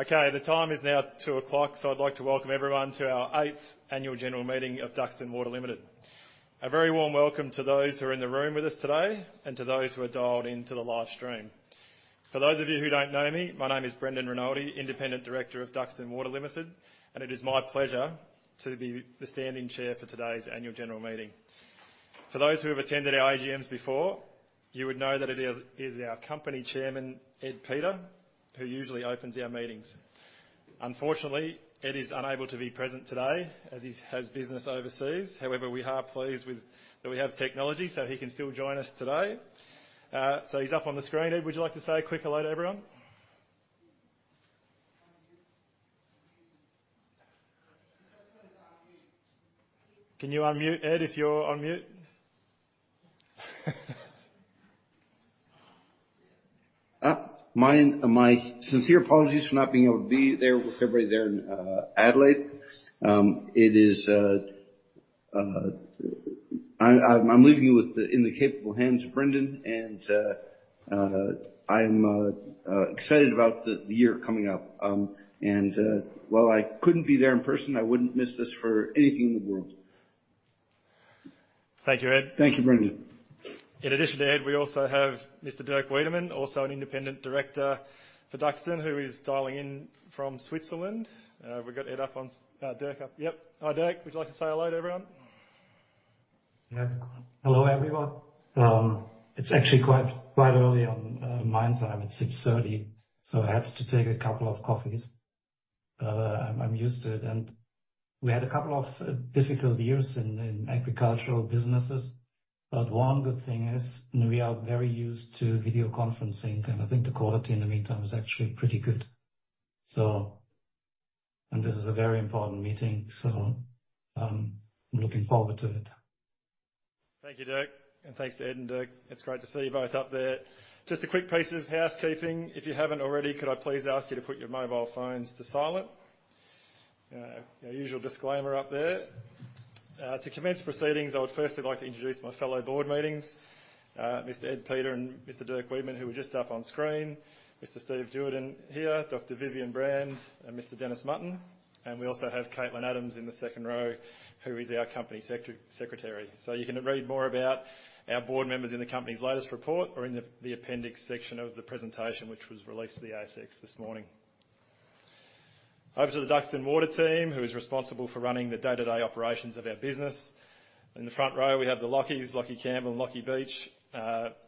Okay, the time is now 2:00 P.M., so I'd like to welcome everyone to our eighth annual general meeting of Duxton Water Limited. A very warm welcome to those who are in the room with us today, and to those who are dialed into the live stream. For those of you who don't know me, my name is Brendan Rinaldi, independent director of Duxton Water Limited, and it is my pleasure to be the standing chair for today's annual general meeting. For those who have attended our AGMs before, you would know that it is our company chairman, Ed Peter, who usually opens our meetings. Unfortunately, Ed is unable to be present today as he has business overseas. However, we are pleased that we have technology, so he can still join us today. So he's up on the screen. Ed, would you like to say a quick hello to everyone? Can you unmute, Ed, if you're on mute? My sincere apologies for not being able to be there with everybody there in Adelaide. I'm leaving you in the capable hands of Brendan, and I'm excited about the year coming up. While I couldn't be there in person, I wouldn't miss this for anything in the world. Thank you, Ed. Thank you, Brendan. In addition to Ed, we also have Mr. Dirk Wiedmann, also an independent director for Duxton, who is dialing in from Switzerland. We've got Dirk up. Hi, Dirk. Would you like to say hello to everyone? Yeah. Hello, everyone. It's actually quite early on my time. It's 6:30, so I had to take a couple of coffees. I'm used to it, and we had a couple of difficult years in agricultural businesses. But one good thing is, we are very used to video conferencing, and I think the quality in the meantime is actually pretty good. So... And this is a very important meeting, so I'm looking forward to it. Thank you, Dirk, and thanks to Ed and Dirk. It's great to see you both up there. Just a quick piece of housekeeping. If you haven't already, could I please ask you to put your mobile phones to silent? Our usual disclaimer up there. To commence proceedings, I would firstly like to introduce my fellow board members, Mr. Ed Peter and Mr. Dirk Wiedmann, who were just up on screen, Mr. Steve Duerden here, Dr. Vivienne Brand, and Mr. Dennis Mutton. We also have Katelyn Adams in the second row, who is our company secretary. So you can read more about our board members in the company's latest report or in the appendix section of the presentation, which was released to the ASX this morning. Over to the Duxton Water team, who is responsible for running the day-to-day operations of our business. In the front row, we have the Lachies, Lachie Campbell and Lockie Beech,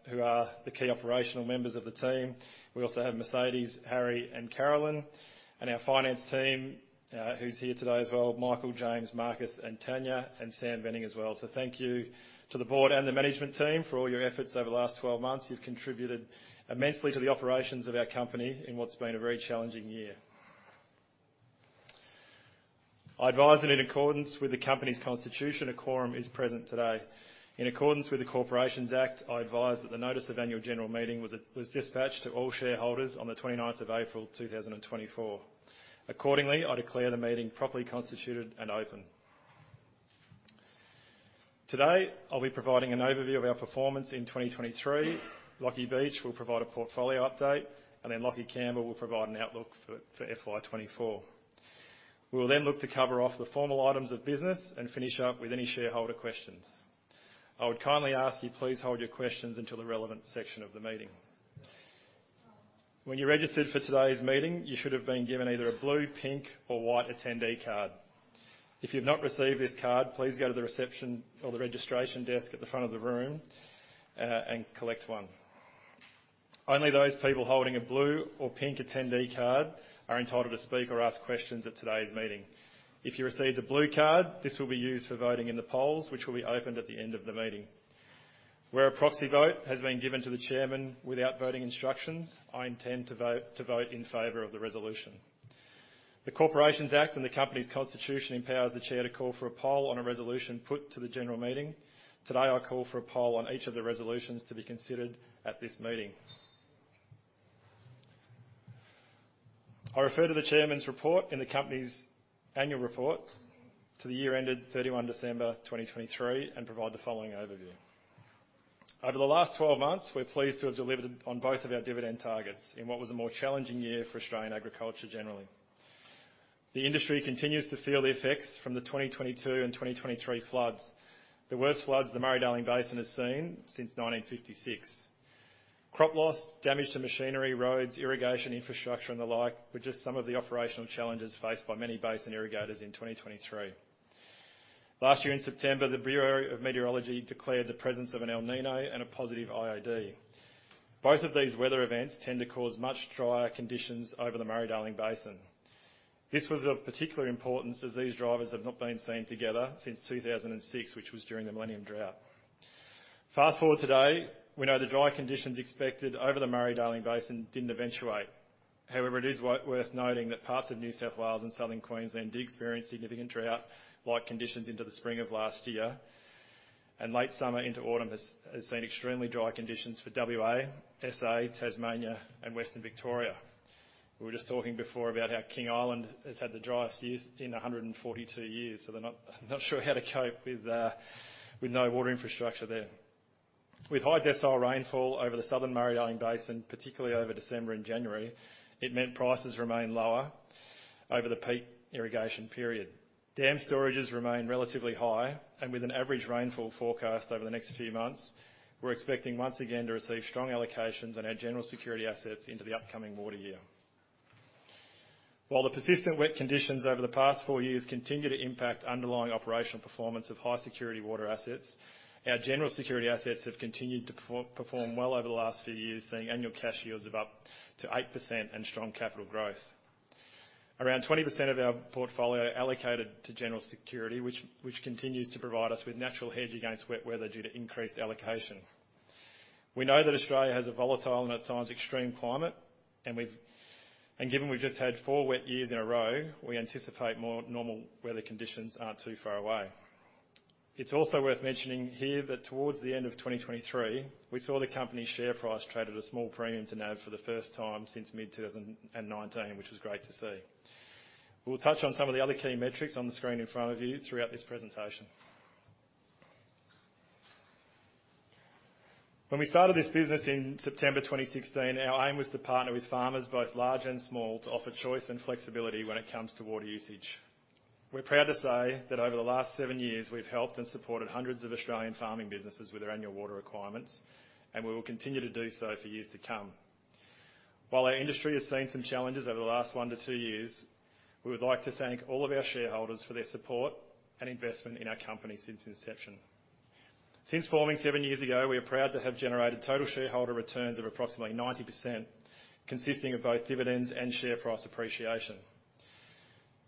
who are the key operational members of the team. We also have Mercedes, Harry, and Carolyn, and our finance team, who's here today as well, Michael, James, Marcus, and Tanya, and Sam Venning as well. So thank you to the board and the management team for all your efforts over the last 12 months. You've contributed immensely to the operations of our company in what's been a very challenging year. I advise that in accordance with the company's constitution, a quorum is present today. In accordance with the Corporations Act, I advise that the notice of annual general meeting was was dispatched to all shareholders on the 29th of April, 2024. Accordingly, I declare the meeting properly constituted and open. Today, I'll be providing an overview of our performance in 2023. Lockie Beech will provide a portfolio update, and then Lachie Campbell will provide an outlook for FY 2024. We will then look to cover off the formal items of business and finish up with any shareholder questions. I would kindly ask you, please hold your questions until the relevant section of the meeting. When you registered for today's meeting, you should have been given either a blue, pink, or white attendee card. If you've not received this card, please go to the reception or the registration desk at the front of the room and collect one. Only those people holding a blue or pink attendee card are entitled to speak or ask questions at today's meeting. If you received a blue card, this will be used for voting in the polls, which will be opened at the end of the meeting. Where a proxy vote has been given to the chairman without voting instructions, I intend to vote, to vote in favor of the resolution. The Corporations Act and the company's constitution empowers the chair to call for a poll on a resolution put to the general meeting. Today, I call for a poll on each of the resolutions to be considered at this meeting. I refer to the chairman's report in the company's annual report for the year ended 31 December 2023, and provide the following overview: Over the last 12 months, we're pleased to have delivered on both of our dividend targets in what was a more challenging year for Australian agriculture generally. The industry continues to feel the effects from the 2022 and 2023 floods, the worst floods the Murray-Darling Basin has seen since 1956. Crop loss, damage to machinery, roads, irrigation, infrastructure, and the like, were just some of the operational challenges faced by many basin irrigators in 2023. Last year in September, the Bureau of Meteorology declared the presence of an El Niño and a positive IOD. Both of these weather events tend to cause much drier conditions over the Murray-Darling Basin. This was of particular importance, as these drivers have not been seen together since 2006, which was during the millennium drought. Fast-forward today, we know the dry conditions expected over the Murray-Darling Basin didn't eventuate. However, it is worth noting that parts of New South Wales and Southern Queensland did experience significant drought-like conditions into the spring of last year, and late summer into autumn has seen extremely dry conditions for WA, SA, Tasmania and Western Victoria. We were just talking before about how King Island has had the driest years in 142 years, so they're not sure how to cope with no water infrastructure there... With high decile rainfall over the Southern Murray-Darling Basin, particularly over December and January, it meant prices remained lower over the peak irrigation period. Dam storages remain relatively high, and with an average rainfall forecast over the next few months, we're expecting once again to receive strong allocations on our General Security assets into the upcoming water year. While the persistent wet conditions over the past 4 years continue to impact underlying operational performance of High Security water assets, our General Security assets have continued to perform well over the last few years, seeing annual cash yields of up to 8% and strong capital growth. Around 20% of our portfolio are allocated to General Security, which continues to provide us with natural hedge against wet weather due to increased allocation. We know that Australia has a volatile and at times, extreme climate, and given we've just had 4 wet years in a row, we anticipate more normal weather conditions aren't too far away. It's also worth mentioning here that towards the end of 2023, we saw the company's share price trade at a small premium to NAV for the first time since mid-2019, which was great to see. We'll touch on some of the other key metrics on the screen in front of you throughout this presentation. When we started this business in September 2016, our aim was to partner with farmers, both large and small, to offer choice and flexibility when it comes to water usage. We're proud to say that over the last seven years, we've helped and supported hundreds of Australian farming businesses with their annual water requirements, and we will continue to do so for years to come. While our industry has seen some challenges over the last 1-2 years, we would like to thank all of our shareholders for their support and investment in our company since inception. Since forming seven years ago, we are proud to have generated total shareholder returns of approximately 90%, consisting of both dividends and share price appreciation.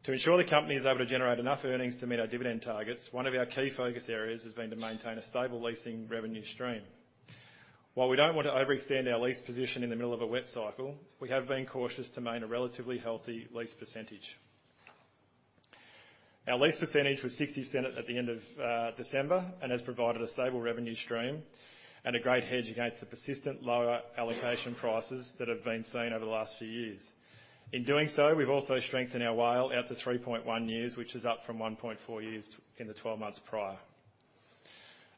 To ensure the company is able to generate enough earnings to meet our dividend targets, one of our key focus areas has been to maintain a stable leasing revenue stream. While we don't want to overextend our lease position in the middle of a wet cycle, we have been cautious to maintain a relatively healthy lease percentage. Our lease percentage was 60% at the end of December, and has provided a stable revenue stream and a great hedge against the persistent lower allocation prices that have been seen over the last few years. In doing so, we've also strengthened our WALE out to 3.1 years, which is up from 1.4 years in the 12 months prior.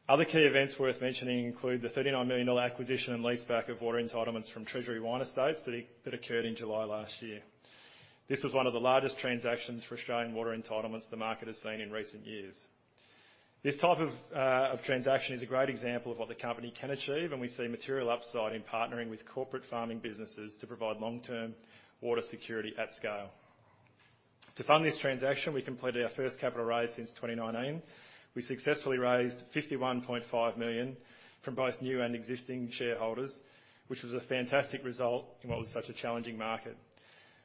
Other key events worth mentioning include the AUD 39 million acquisition and leaseback of water entitlements from Treasury Wine Estates that occurred in July last year. This was one of the largest transactions for Australian water entitlements the market has seen in recent years. This type of transaction is a great example of what the company can achieve, and we see material upside in partnering with corporate farming businesses to provide long-term water security at scale. To fund this transaction, we completed our first capital raise since 2019. We successfully raised 51.5 million from both new and existing shareholders, which was a fantastic result in what was such a challenging market.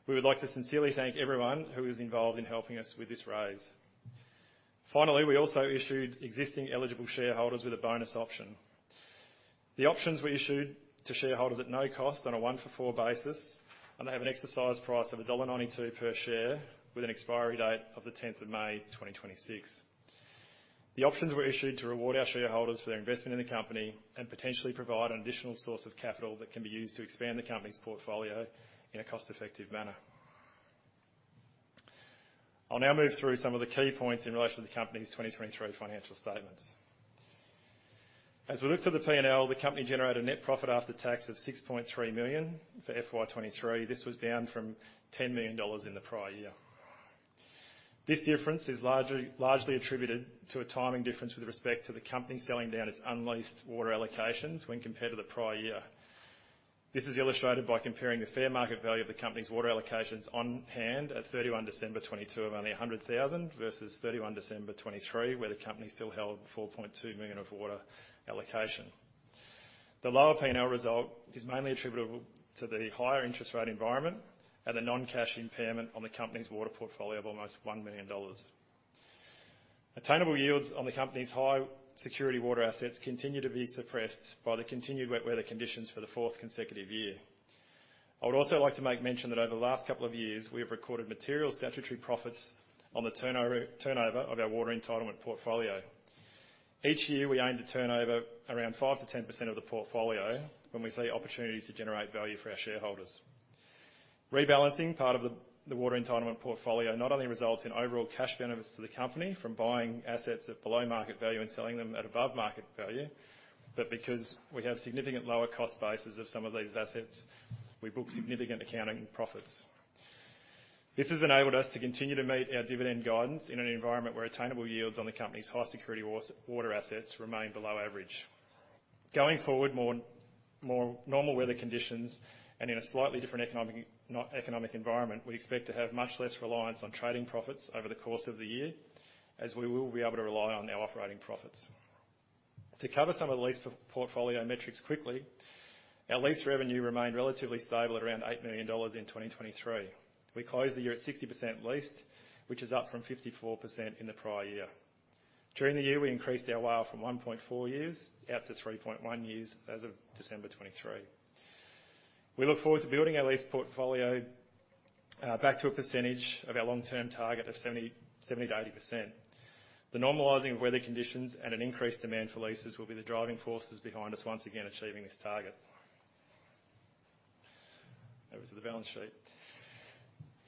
We would like to sincerely thank everyone who was involved in helping us with this raise. Finally, we also issued existing eligible shareholders with a bonus option. The options were issued to shareholders at no cost on a 1-for-4 basis, and they have an exercise price of dollar 1.92 per share, with an expiry date of the tenth of May, 2026. The options were issued to reward our shareholders for their investment in the company and potentially provide an additional source of capital that can be used to expand the company's portfolio in a cost-effective manner. I'll now move through some of the key points in relation to the company's 2023 financial statements. As we look to the P&L, the company generated a net profit after tax of 6.3 million for FY 2023. This was down from 10 million dollars in the prior year. This difference is largely, largely attributed to a timing difference with respect to the company selling down its unleased water allocations when compared to the prior year. This is illustrated by comparing the fair market value of the company's water allocations on hand at 31 December 2022 of only 100,000, versus 31 December 2023, where the company still held 4.2 million of water allocation. The lower P&L result is mainly attributable to the higher interest rate environment and the non-cash impairment on the company's water portfolio of almost 1 million dollars. Attainable yields on the company's High Security water assets continue to be suppressed by the continued wet weather conditions for the fourth consecutive year. I would also like to make mention that over the last couple of years, we have recorded material statutory profits on the turnover of our water entitlement portfolio. Each year, we aim to turn over around 5%-10% of the portfolio when we see opportunities to generate value for our shareholders. Rebalancing part of the water entitlement portfolio not only results in overall cash benefits to the company from buying assets at below market value and selling them at above market value, but because we have significant lower cost bases of some of these assets, we book significant accounting profits. This has enabled us to continue to meet our dividend guidance in an environment where attainable yields on the company's High Security water assets remain below average. Going forward, more normal weather conditions and in a slightly different economic environment, we expect to have much less reliance on trading profits over the course of the year, as we will be able to rely on our operating profits. To cover some of the lease portfolio metrics quickly, our lease revenue remained relatively stable at around 8 million dollars in 2023. We closed the year at 60% leased, which is up from 54% in the prior year. During the year, we increased our WALE from 1.4 years out to 3.1 years as of December 2023. We look forward to building our lease portfolio back to a percentage of our long-term target of 70, 70%-80%. The normalizing of weather conditions and an increased demand for leases will be the driving forces behind us once again achieving this target... Over to the balance sheet.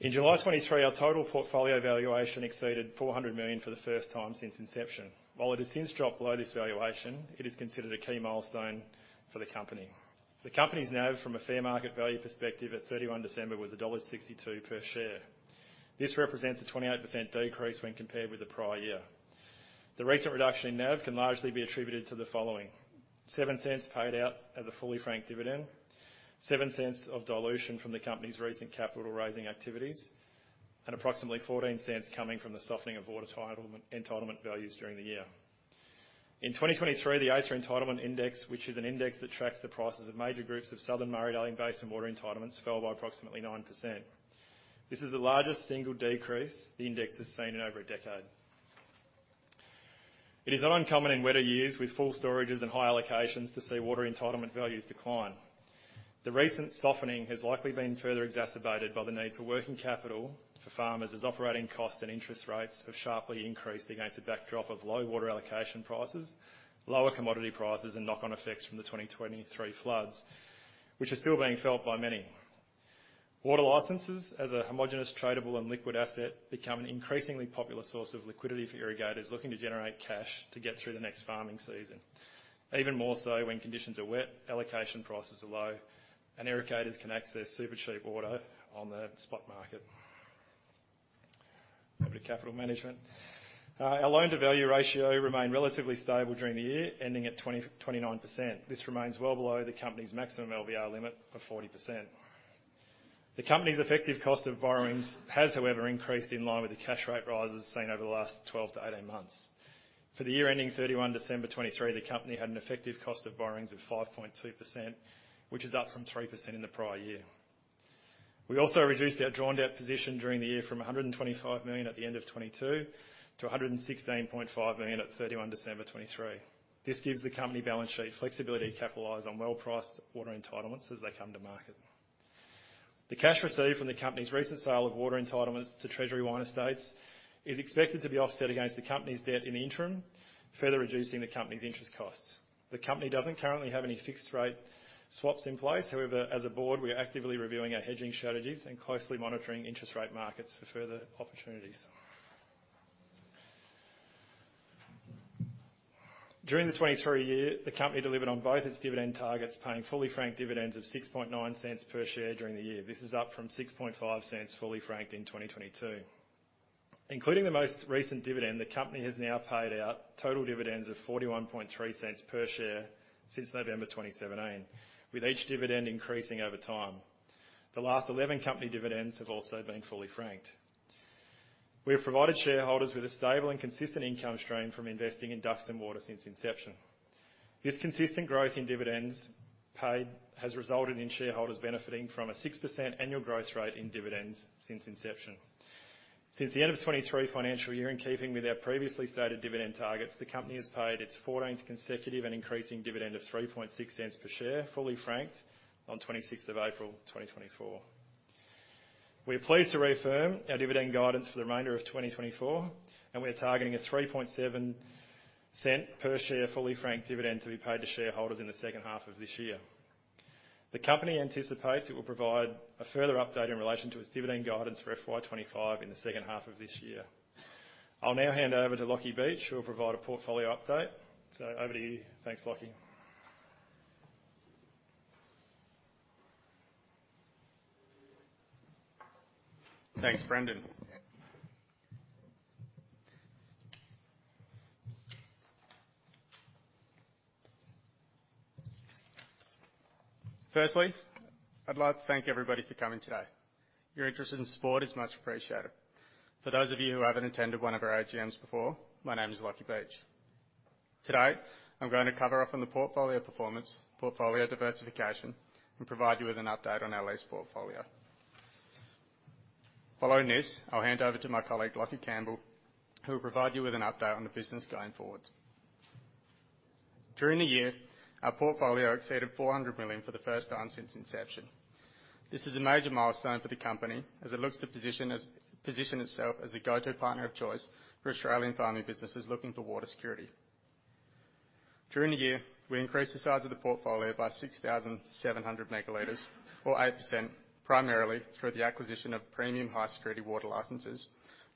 In July 2023, our total portfolio valuation exceeded 400 million for the first time since inception. While it has since dropped below this valuation, it is considered a key milestone for the company. The company's NAV, from a fair market value perspective at 31 December, was dollar 1.62 per share. This represents a 28% decrease when compared with the prior year. The recent reduction in NAV can largely be attributed to the following: 0.07 paid out as a fully franked dividend, 0.07 of dilution from the company's recent capital-raising activities, and approximately 0.14 coming from the softening of water entitlement values during the year. In 2023, the Aither Entitlement Index, which is an index that tracks the prices of major groups of Southern Murray-Darling Basin water entitlements, fell by approximately 9%. This is the largest single decrease the index has seen in over a decade. It is not uncommon in wetter years with full storages and high allocations to see water entitlement values decline. The recent softening has likely been further exacerbated by the need for working capital for farmers, as operating costs and interest rates have sharply increased against a backdrop of low water allocation prices, lower commodity prices, and knock-on effects from the 2023 floods, which are still being felt by many. Water licenses, as a homogenous, tradable, and liquid asset, become an increasingly popular source of liquidity for irrigators looking to generate cash to get through the next farming season. Even more so when conditions are wet, allocation prices are low, and irrigators can access super cheap water on the spot market. Over to capital management. Our loan-to-value ratio remained relatively stable during the year, ending at 29%. This remains well below the company's maximum LVR limit of 40%. The company's effective cost of borrowings has, however, increased in line with the cash rate rises seen over the last 12-18 months. For the year ending December 31, 2023, the company had an effective cost of borrowings of 5.2%, which is up from 3% in the prior year. We also reduced our drawn-out position during the year from 125 million at the end of 2022 to 116.5 million at December 31, 2023. This gives the company balance sheet flexibility to capitalize on well-priced water entitlements as they come to market. The cash received from the company's recent sale of water entitlements to Treasury Wine Estates is expected to be offset against the company's debt in the interim, further reducing the company's interest costs. The company doesn't currently have any fixed-rate swaps in place. However, as a board, we are actively reviewing our hedging strategies and closely monitoring interest rate markets for further opportunities. During the 2023 year, the company delivered on both its dividend targets, paying fully franked dividends of 0.069 per share during the year. This is up from 0.065, fully franked, in 2022. Including the most recent dividend, the company has now paid out total dividends of 0.413 per share since November 2017, with each dividend increasing over time. The last 11 company dividends have also been fully franked. We have provided shareholders with a stable and consistent income stream from investing in Duxton Water since inception. This consistent growth in dividends paid has resulted in shareholders benefiting from a 6% annual growth rate in dividends since inception. Since the end of the '23 financial year, in keeping with our previously stated dividend targets, the company has paid its fourteenth consecutive and increasing dividend of 0.036 per share, fully franked, on 26th of April, 2024. We are pleased to reaffirm our dividend guidance for the remainder of 2024, and we are targeting a 0.037 per share, fully franked dividend, to be paid to shareholders in the second half of this year. The company anticipates it will provide a further update in relation to its dividend guidance for FY 2025 in the second half of this year. I'll now hand over to Lachie Beech, who will provide a portfolio update. So over to you. Thanks, Lachie. Thanks, Brendan. Firstly, I'd like to thank everybody for coming today. Your interest and support is much appreciated. For those of you who haven't attended one of our AGMs before, my name is Lachlan Beech. Today, I'm going to catch up on the portfolio performance, portfolio diversification, and provide you with an update on our lease portfolio. Following this, I'll hand over to my colleague, Lachlan Campbell, who will provide you with an update on the business going forward. During the year, our portfolio exceeded 400 million for the first time since inception. This is a major milestone for the company as it looks to position itself as a go-to partner of choice for Australian farming businesses looking for water security. During the year, we increased the size of the portfolio by 6,700 megalitres, or 8%, primarily through the acquisition of premium High Security water licenses,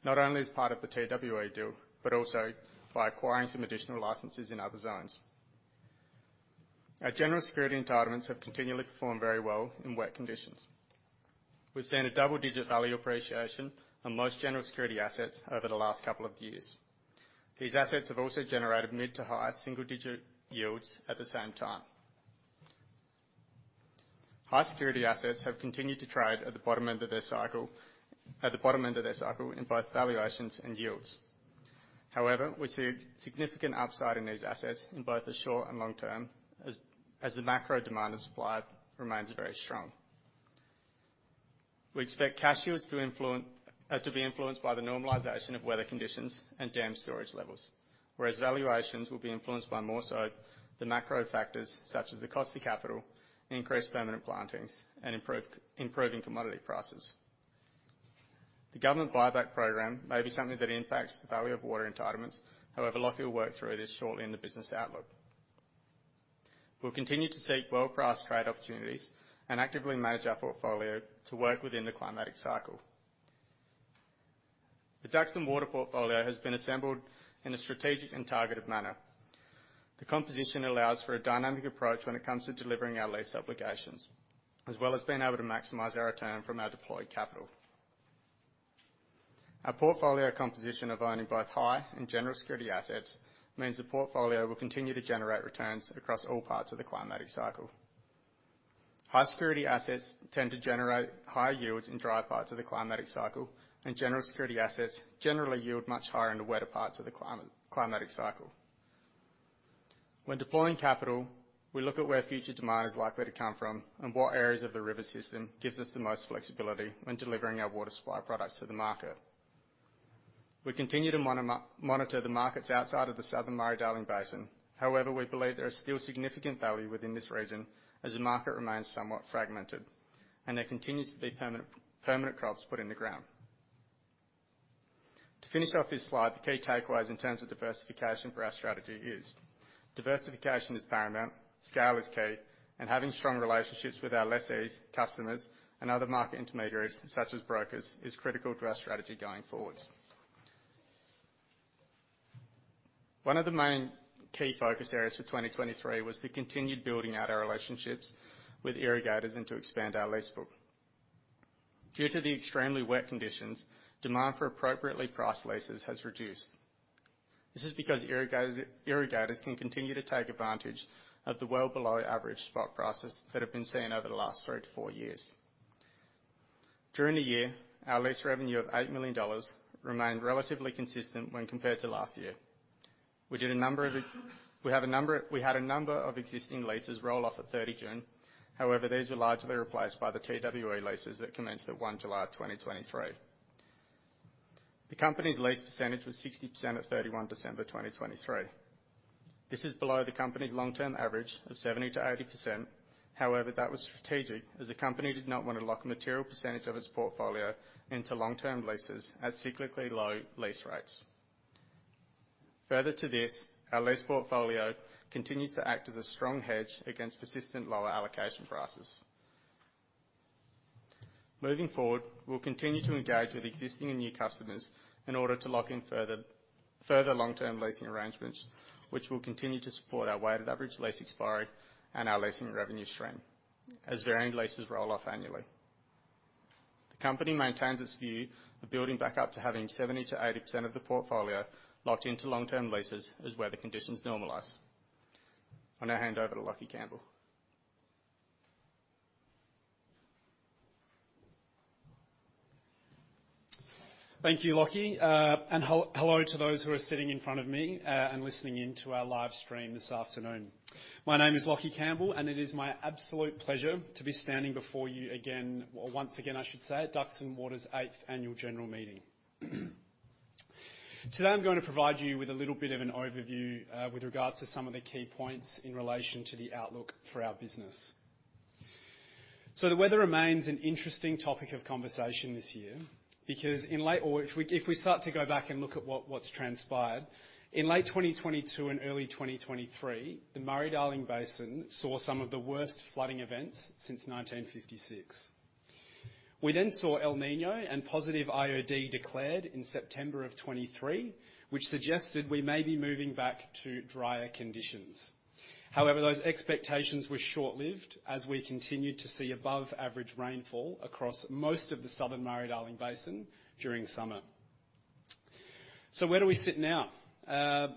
not only as part of the TWE deal, but also by acquiring some additional licenses in other zones. Our general security entitlements have continually performed very well in wet conditions. We've seen a double-digit value appreciation on most general security assets over the last couple of years. These assets have also generated mid- to high single-digit yields at the same time. High Security assets have continued to trade at the bottom end of their cycle, at the bottom end of their cycle, in both valuations and yields. However, we see significant upside in these assets in both the short and long term as, as the macro demand and supply remains very strong. We expect cash yields to influence, to be influenced by the normalization of weather conditions and dam storage levels, whereas valuations will be influenced by more so the macro factors, such as the cost of capital, increased permanent plantings, and improving commodity prices. The government buyback program may be something that impacts the value of water entitlements. However, Lachie will work through this shortly in the business outlook. We'll continue to seek well-priced trade opportunities and actively manage our portfolio to work within the climatic cycle. The Duxton Water portfolio has been assembled in a strategic and targeted manner. The composition allows for a dynamic approach when it comes to delivering our lease obligations, as well as being able to maximize our return from our deployed capital. Our portfolio composition of owning both high and general security assets means the portfolio will continue to generate returns across all parts of the climatic cycle. High Security assets tend to generate higher yields in dry parts of the climatic cycle, and general security assets generally yield much higher in the wetter parts of the climatic cycle. When deploying capital, we look at where future demand is likely to come from and what areas of the river system gives us the most flexibility when delivering our water supply products to the market. We continue to monitor the markets outside of the southern Murray-Darling Basin. However, we believe there is still significant value within this region, as the market remains somewhat fragmented, and there continues to be permanent crops put in the ground. To finish off this slide, the key takeaways in terms of diversification for our strategy is: diversification is paramount, scale is key, and having strong relationships with our lessees, customers, and other market intermediaries, such as brokers, is critical to our strategy going forward. One of the main key focus areas for 2023 was to continue building out our relationships with irrigators and to expand our lease book. Due to the extremely wet conditions, demand for appropriately priced leases has reduced. This is because irrigators can continue to take advantage of the well below average spot prices that have been seen over the last 3-4 years. During the year, our lease revenue of 8 million dollars remained relatively consistent when compared to last year. We had a number of existing leases roll off at 30 June. However, these were largely replaced by the TWE leases that commenced at 1 July 2023. The company's lease percentage was 60% at 31 December 2023. This is below the company's long-term average of 70%-80%. However, that was strategic, as the company did not want to lock a material percentage of its portfolio into long-term leases at cyclically low lease rates. Further to this, our lease portfolio continues to act as a strong hedge against persistent lower allocation prices. Moving forward, we'll continue to engage with existing and new customers in order to lock in further, further long-term leasing arrangements, which will continue to support our weighted average lease expiry and our leasing revenue stream as varying leases roll off annually. The company maintains its view of building back up to having 70%-80% of the portfolio locked into long-term leases as weather conditions normalize. I'll now hand over to Lachie Campbell. Thank you, Lachie, and hello to those who are sitting in front of me and listening in to our live stream this afternoon. My name is Lachie Campbell, and it is my absolute pleasure to be standing before you again, well, once again, I should say, at Duxton Water's eighth Annual General Meeting. Today, I'm going to provide you with a little bit of an overview with regards to some of the key points in relation to the outlook for our business. So the weather remains an interesting topic of conversation this year, because if we start to go back and look at what's transpired in late 2022 and early 2023, the Murray-Darling Basin saw some of the worst flooding events since 1956. We then saw El Niño and positive IOD declared in September of 2023, which suggested we may be moving back to drier conditions. However, those expectations were short-lived as we continued to see above average rainfall across most of the southern Murray-Darling Basin during summer. So where do we sit now?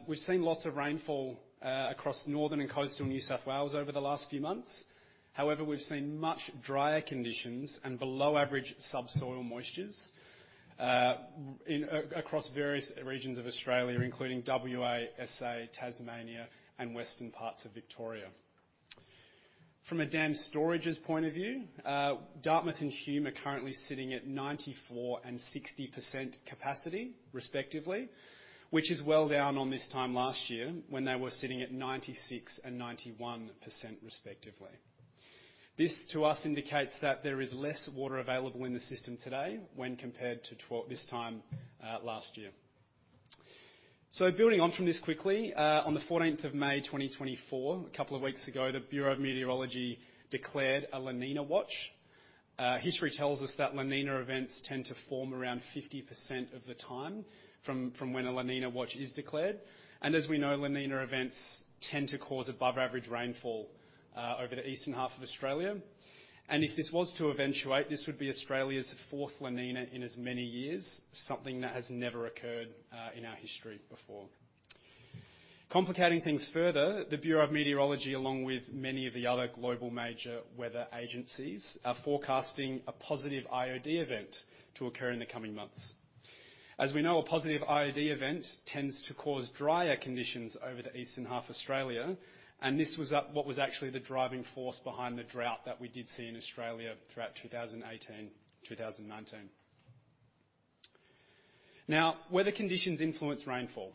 We've seen lots of rainfall across northern and coastal New South Wales over the last few months. However, we've seen much drier conditions and below average subsoil moistures in across various regions of Australia, including WA, SA, Tasmania and western parts of Victoria. From a dam storages point of view, Dartmouth and Hume are currently sitting at 94% and 60% capacity, respectively, which is well down on this time last year when they were sitting at 96% and 91%, respectively. This, to us, indicates that there is less water available in the system today when compared to this time last year. So building on from this quickly, on the 14th of May, 2024, a couple of weeks ago, the Bureau of Meteorology declared a La Niña watch. History tells us that La Niña events tend to form around 50% of the time from when a La Niña watch is declared. And as we know, La Niña events tend to cause above average rainfall over the eastern half of Australia. And if this was to eventuate, this would be Australia's fourth La Niña in as many years, something that has never occurred in our history before. Complicating things further, the Bureau of Meteorology, along with many of the other global major weather agencies, are forecasting a positive IOD event to occur in the coming months. As we know, a positive IOD event tends to cause drier conditions over the eastern half of Australia, and this was what was actually the driving force behind the drought that we did see in Australia throughout 2018, 2019. Now, weather conditions influence rainfall.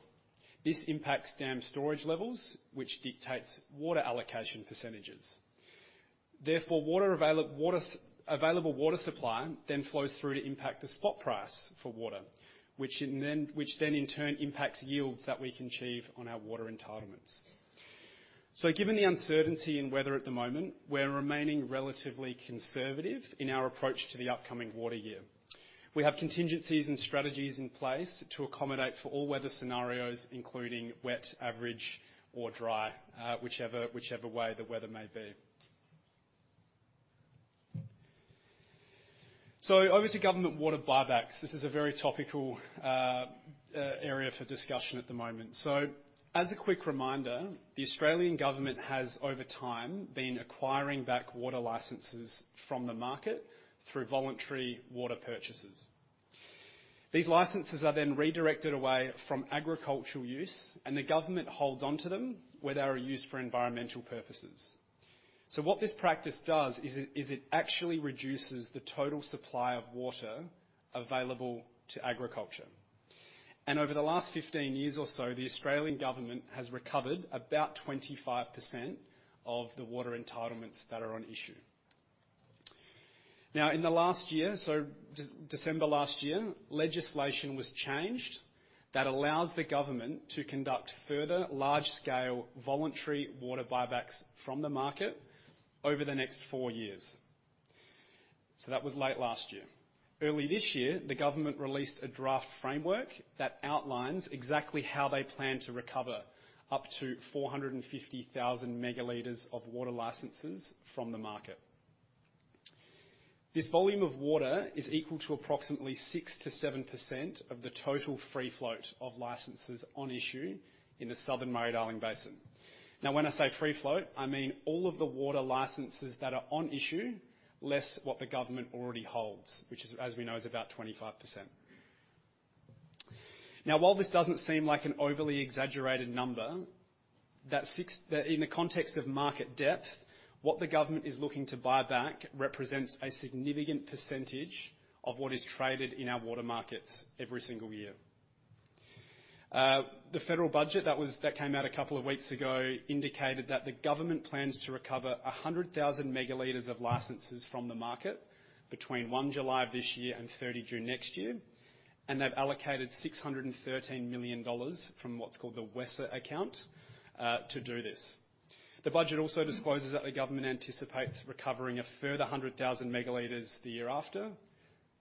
This impacts dam storage levels, which dictates water allocation percentages. Therefore, available water supply then flows through to impact the spot price for water, which then in turn impacts yields that we can achieve on our water entitlements. So given the uncertainty in weather at the moment, we're remaining relatively conservative in our approach to the upcoming water year. We have contingencies and strategies in place to accommodate for all weather scenarios, including wet, average, or dry, whichever, whichever way the weather may be. So obviously, government water buybacks, this is a very topical area for discussion at the moment. So as a quick reminder, the Australian government has, over time, been acquiring back water licenses from the market through voluntary water purchases. These licenses are then redirected away from agricultural use, and the government holds onto them, where they are used for environmental purposes. So what this practice does is it actually reduces the total supply of water available to agriculture. And over the last 15 years or so, the Australian government has recovered about 25% of the water entitlements that are on issue. Now, in the last year, so December last year, legislation was changed that allows the government to conduct further large-scale voluntary water buybacks from the market over the next 4 years. So that was late last year. Early this year, the government released a draft framework that outlines exactly how they plan to recover up to 450,000 megaliters of water licenses from the market. This volume of water is equal to approximately 6%-7% of the total free float of licenses on issue in the Southern Murray-Darling Basin. Now, when I say free float, I mean all of the water licenses that are on issue, less what the government already holds, which is, as we know, about 25%. Now, while this doesn't seem like an overly exaggerated number, that's six, in the context of market depth, what the government is looking to buy back represents a significant percentage of what is traded in our water markets every single year. The federal budget that was, that came out a couple of weeks ago, indicated that the government plans to recover 100,000 megaliters of licenses from the market between 1 July of this year and 30 June next year, and they've allocated 613 million dollars from what's called the WESA account, to do this. The budget also discloses that the government anticipates recovering a further 100,000 megaliters the year after,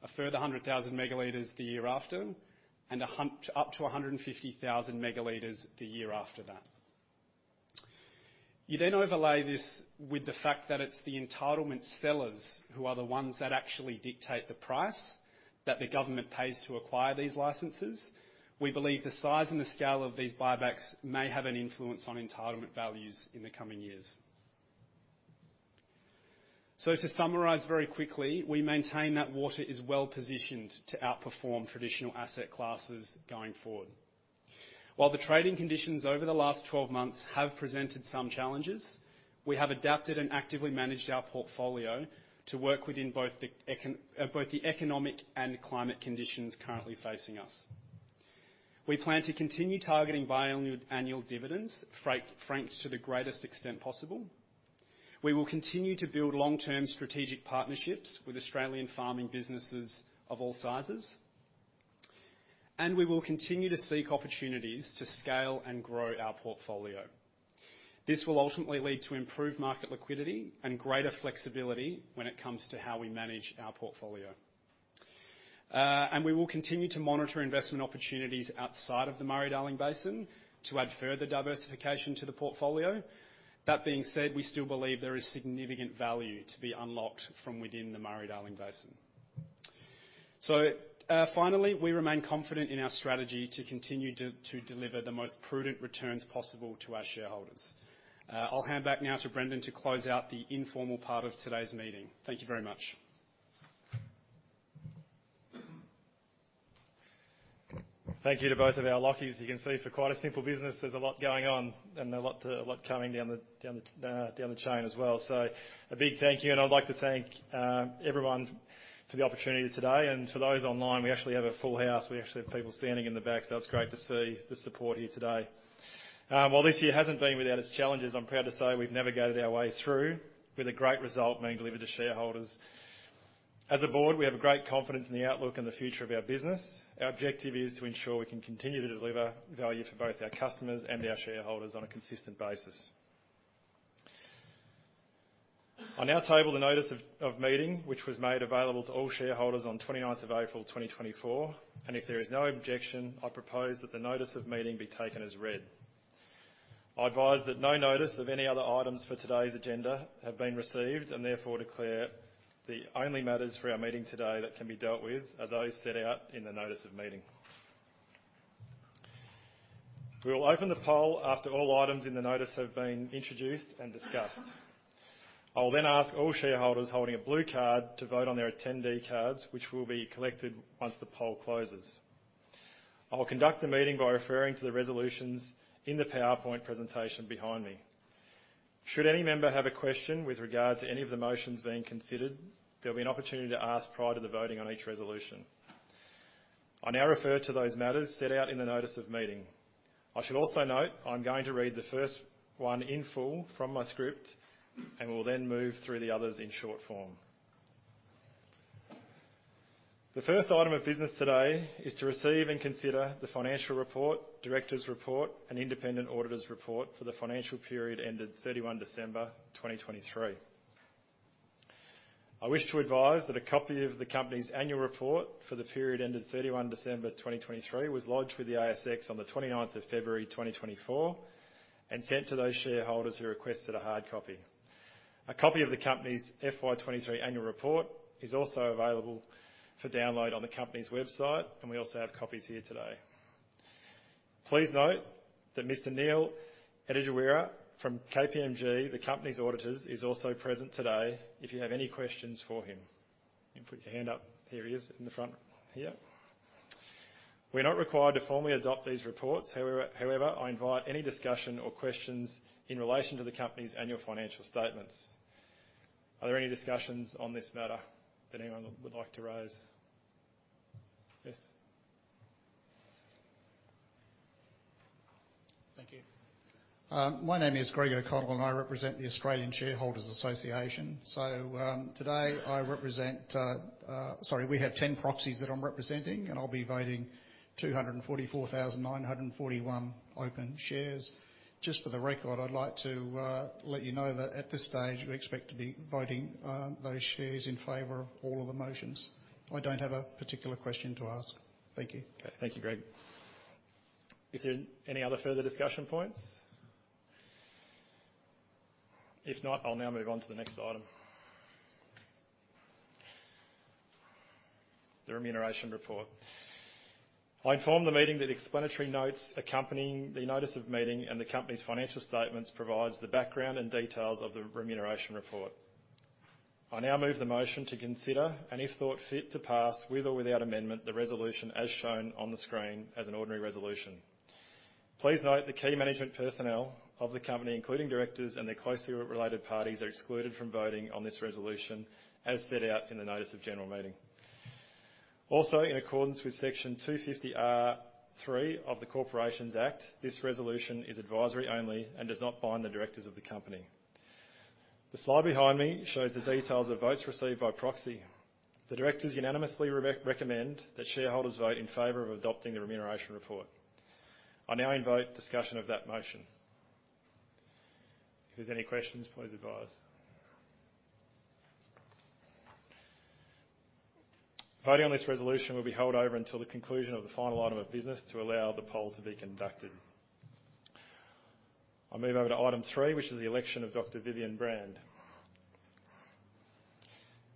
a further 100,000 megaliters the year after, and up to 150,000 megaliters the year after that. You then overlay this with the fact that it's the entitlement sellers who are the ones that actually dictate the price that the government pays to acquire these licenses. We believe the size and the scale of these buybacks may have an influence on entitlement values in the coming years. So to summarize very quickly, we maintain that water is well-positioned to outperform traditional asset classes going forward. While the trading conditions over the last 12 months have presented some challenges, we have adapted and actively managed our portfolio to work within both the economic and climate conditions currently facing us. We plan to continue targeting biannual annual dividends, franked to the greatest extent possible. We will continue to build long-term strategic partnerships with Australian farming businesses of all sizes, and we will continue to seek opportunities to scale and grow our portfolio. This will ultimately lead to improved market liquidity and greater flexibility when it comes to how we manage our portfolio. And we will continue to monitor investment opportunities outside of the Murray-Darling Basin to add further diversification to the portfolio. That being said, we still believe there is significant value to be unlocked from within the Murray-Darling Basin. So, finally, we remain confident in our strategy to continue to deliver the most prudent returns possible to our shareholders. I'll hand back now to Brendan to close out the informal part of today's meeting. Thank you very much. Thank you to both of our Lachies. You can see for quite a simple business, there's a lot going on and a lot coming down the chain as well. So a big thank you, and I'd like to thank everyone for the opportunity today. And to those online, we actually have a full house. We actually have people standing in the back, so it's great to see the support here today. While this year hasn't been without its challenges, I'm proud to say we've navigated our way through with a great result being delivered to shareholders. As a board, we have a great confidence in the outlook and the future of our business. Our objective is to ensure we can continue to deliver value to both our customers and our shareholders on a consistent basis. I now table the notice of meeting, which was made available to all shareholders on 29th of April, 2024, and if there is no objection, I propose that the notice of meeting be taken as read. I advise that no notice of any other items for today's agenda have been received, and therefore, declare the only matters for our meeting today that can be dealt with are those set out in the notice of meeting. We will open the poll after all items in the notice have been introduced and discussed. I will then ask all shareholders holding a blue card to vote on their attendee cards, which will be collected once the poll closes. I will conduct the meeting by referring to the resolutions in the PowerPoint presentation behind me. Should any member have a question with regard to any of the motions being considered, there'll be an opportunity to ask prior to the voting on each resolution. I now refer to those matters set out in the notice of meeting. I should also note, I'm going to read the first one in full from my script, and we'll then move through the others in short form. The first item of business today is to receive and consider the financial report, directors' report, and independent auditors' report for the financial period ended 31 December 2023. I wish to advise that a copy of the company's annual report for the period ended 31 December 2023, was lodged with the ASX on 29 February 2024, and sent to those shareholders who requested a hard copy. A copy of the company's FY 2023 annual report is also available for download on the company's website, and we also have copies here today. Please note that Mr. Neil Jegaraj from KPMG, the company's auditors, is also present today, if you have any questions for him. You can put your hand up. Here he is, in the front here. We're not required to formally adopt these reports. However, I invite any discussion or questions in relation to the company's annual financial statements. Are there any discussions on this matter that anyone would like to raise? Yes. Thank you. My name is Greg O'Connell, and I represent the Australian Shareholders Association. So, today I represent, sorry, we have ten proxies that I'm representing, and I'll be voting 244,941 open shares. Just for the record, I'd like to let you know that at this stage, we expect to be voting those shares in favor of all of the motions. I don't have a particular question to ask. Thank you. Okay. Thank you, Greg. Is there any other further discussion points? If not, I'll now move on to the next item. The remuneration report. I inform the meeting that explanatory notes accompanying the notice of meeting and the company's financial statements provides the background and details of the remuneration report. I now move the motion to consider, and if thought fit to pass, with or without amendment, the resolution as shown on the screen as an ordinary resolution. Please note the key management personnel of the company, including directors and their closely related parties, are excluded from voting on this resolution, as set out in the notice of general meeting. Also, in accordance with Section 250R(3) of the Corporations Act, this resolution is advisory only and does not bind the directors of the company. The slide behind me shows the details of votes received by proxy. The directors unanimously recommend that shareholders vote in favor of adopting the remuneration report. I now invite discussion of that motion. If there's any questions, please advise. Voting on this resolution will be held over until the conclusion of the final item of business to allow the poll to be conducted. I'll move over to item three, which is the election of Dr. Vivienne Brand.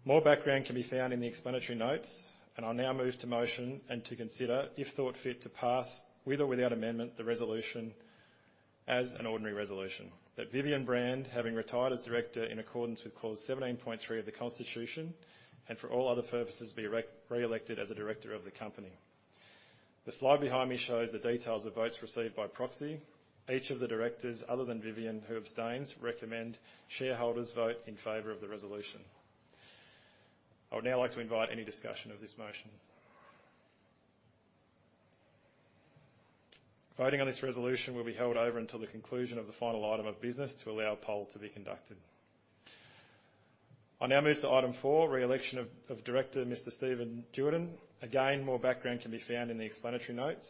More background can be found in the explanatory notes, and I now move the motion and to consider, if thought fit to pass, with or without amendment, the resolution as an ordinary resolution, that Vivienne Brand, having retired as director in accordance with Clause 17.3 of the Constitution, and for all other purposes, be re-elected as a director of the company. The slide behind me shows the details of votes received by proxy. Each of the directors, other than Vivienne, who abstains, recommend shareholders vote in favor of the resolution. I would now like to invite any discussion of this motion. Voting on this resolution will be held over until the conclusion of the final item of business to allow a poll to be conducted. I now move to item four, re-election of Director Mr. Stephen Duerden. Again, more background can be found in the explanatory notes.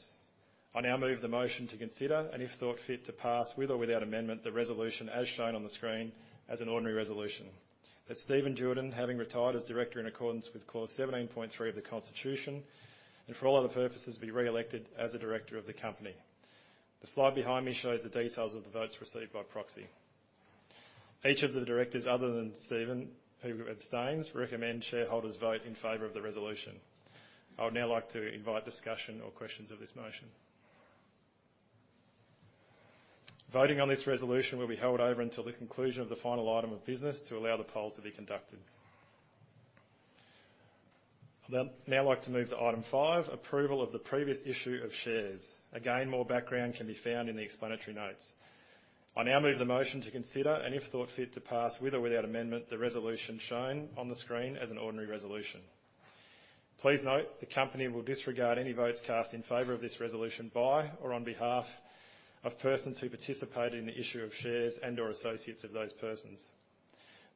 I now move the motion to consider, and if thought fit, to pass, with or without amendment, the resolution as shown on the screen as an ordinary resolution. That Stephen Duerden, having retired as Director in accordance with Clause 17.3 of the Constitution, and for all other purposes, be re-elected as a director of the company. The slide behind me shows the details of the votes received by proxy. Each of the directors, other than Stephen, who abstains, recommend shareholders vote in favor of the resolution. I would now like to invite discussion or questions of this motion. Voting on this resolution will be held over until the conclusion of the final item of business to allow the poll to be conducted. I'll then now like to move to item five, approval of the previous issue of shares. Again, more background can be found in the explanatory notes. I now move the motion to consider, and if thought fit, to pass, with or without amendment, the resolution shown on the screen as an ordinary resolution. Please note, the company will disregard any votes cast in favor of this resolution by or on behalf of persons who participated in the issue of shares and/or associates of those persons.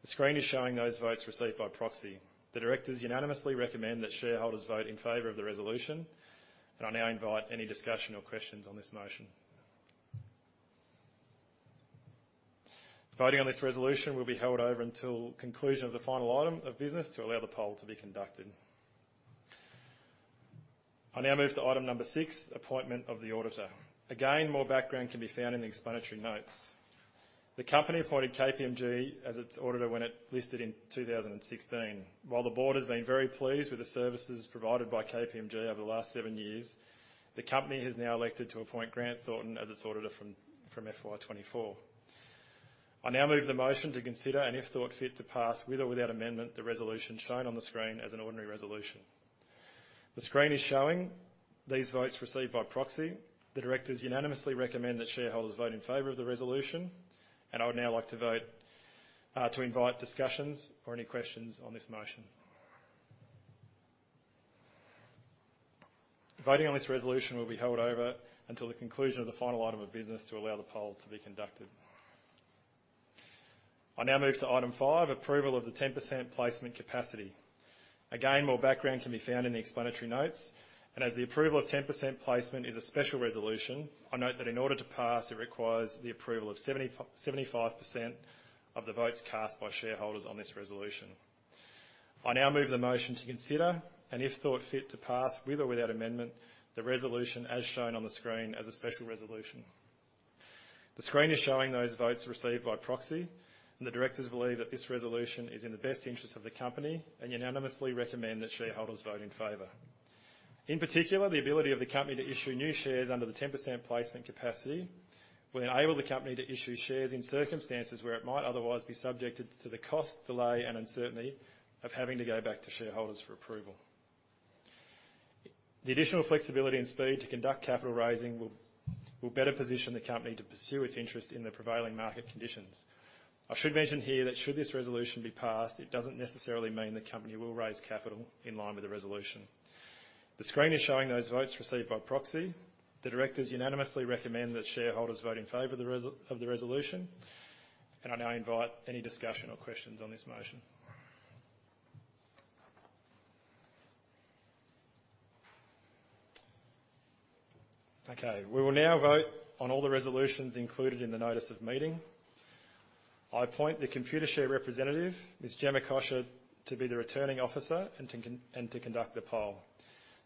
The screen is showing those votes received by proxy. The directors unanimously recommend that shareholders vote in favor of the resolution, and I now invite any discussion or questions on this motion. Voting on this resolution will be held over until conclusion of the final item of business to allow the poll to be conducted. I now move to item number 6, appointment of the auditor. Again, more background can be found in the explanatory notes. The company appointed KPMG as its auditor when it listed in 2016. While the board has been very pleased with the services provided by KPMG over the last seven years, the company has now elected to appoint Grant Thornton as its auditor from FY 2024. I now move the motion to consider, and if thought fit, to pass, with or without amendment, the resolution shown on the screen as an ordinary resolution... The screen is showing these votes received by proxy. The directors unanimously recommend that shareholders vote in favor of the resolution, and I would now like to invite discussions or any questions on this motion. Voting on this resolution will be held over until the conclusion of the final item of business to allow the poll to be conducted. I now move to Item 5: Approval of the 10% placement capacity. Again, more background can be found in the explanatory notes, and as the approval of 10% placement is a special resolution, I note that in order to pass, it requires the approval of 75% of the votes cast by shareholders on this resolution. I now move the motion to consider, and if thought fit to pass, with or without amendment, the resolution as shown on the screen as a special resolution. The screen is showing those votes received by proxy, and the directors believe that this resolution is in the best interest of the company and unanimously recommend that shareholders vote in favor. In particular, the ability of the company to issue new shares under the 10% placement capacity will enable the company to issue shares in circumstances where it might otherwise be subjected to the cost, delay, and uncertainty of having to go back to shareholders for approval. The additional flexibility and speed to conduct capital raising will better position the company to pursue its interest in the prevailing market conditions. I should mention here that should this resolution be passed, it doesn't necessarily mean the company will raise capital in line with the resolution. The screen is showing those votes received by proxy. The directors unanimously recommend that shareholders vote in favor of the resolution, and I now invite any discussion or questions on this motion. Okay, we will now vote on all the resolutions included in the notice of meeting. I appoint the Computershare representative, Ms. Gemma Kroschel, to be the Returning Officer and to conduct the poll.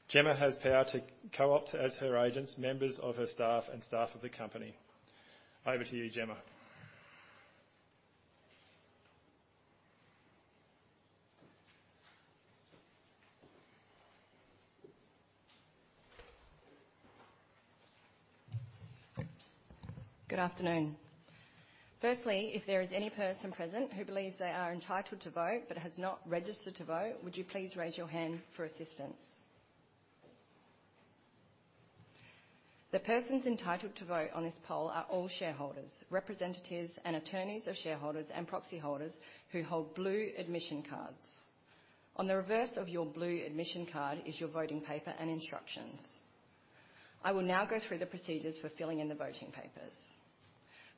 Gemma has power to co-opt as her agents, members of her staff and staff of the company. Over to you, Gemma. Good afternoon. Firstly, if there is any person present who believes they are entitled to vote but has not registered to vote, would you please raise your hand for assistance? The persons entitled to vote on this poll are all shareholders, representatives, and attorneys of shareholders and proxyholders who hold blue admission cards. On the reverse of your blue admission card is your voting paper and instructions. I will now go through the procedures for filling in the voting papers.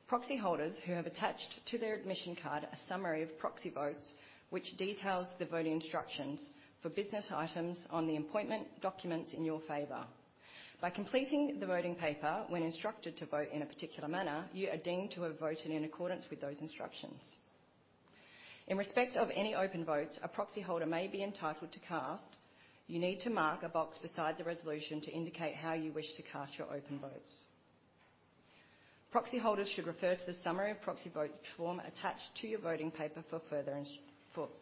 Proxyholders who have, attached to their admission card, a summary of proxy votes, which details the voting instructions for business items on the appointment documents in your favor. By completing the voting paper, when instructed to vote in a particular manner, you are deemed to have voted in accordance with those instructions. In respect of any open votes a proxyholder may be entitled to cast, you need to mark a box beside the resolution to indicate how you wish to cast your open votes. Proxyholders should refer to the summary of proxy vote form attached to your voting paper for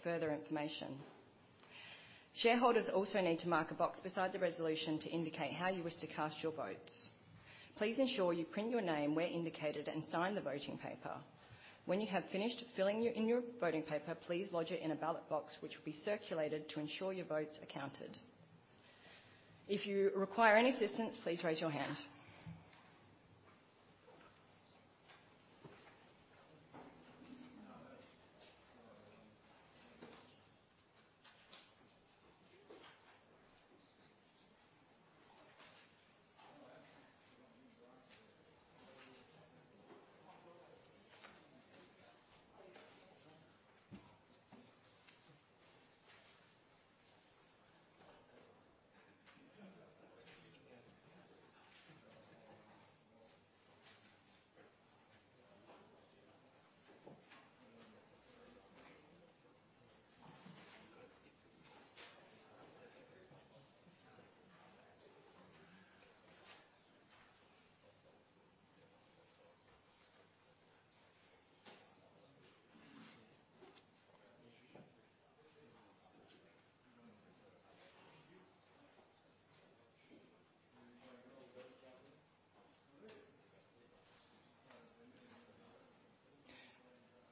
further information. Shareholders also need to mark a box beside the resolution to indicate how you wish to cast your votes. Please ensure you print your name where indicated, and sign the voting paper. When you have finished filling in your voting paper, please lodge it in a ballot box, which will be circulated to ensure your votes are counted. If you require any assistance, please raise your hand.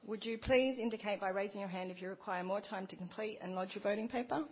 Would you please indicate by raising your hand if you require more time to complete and lodge your voting paper? Oops.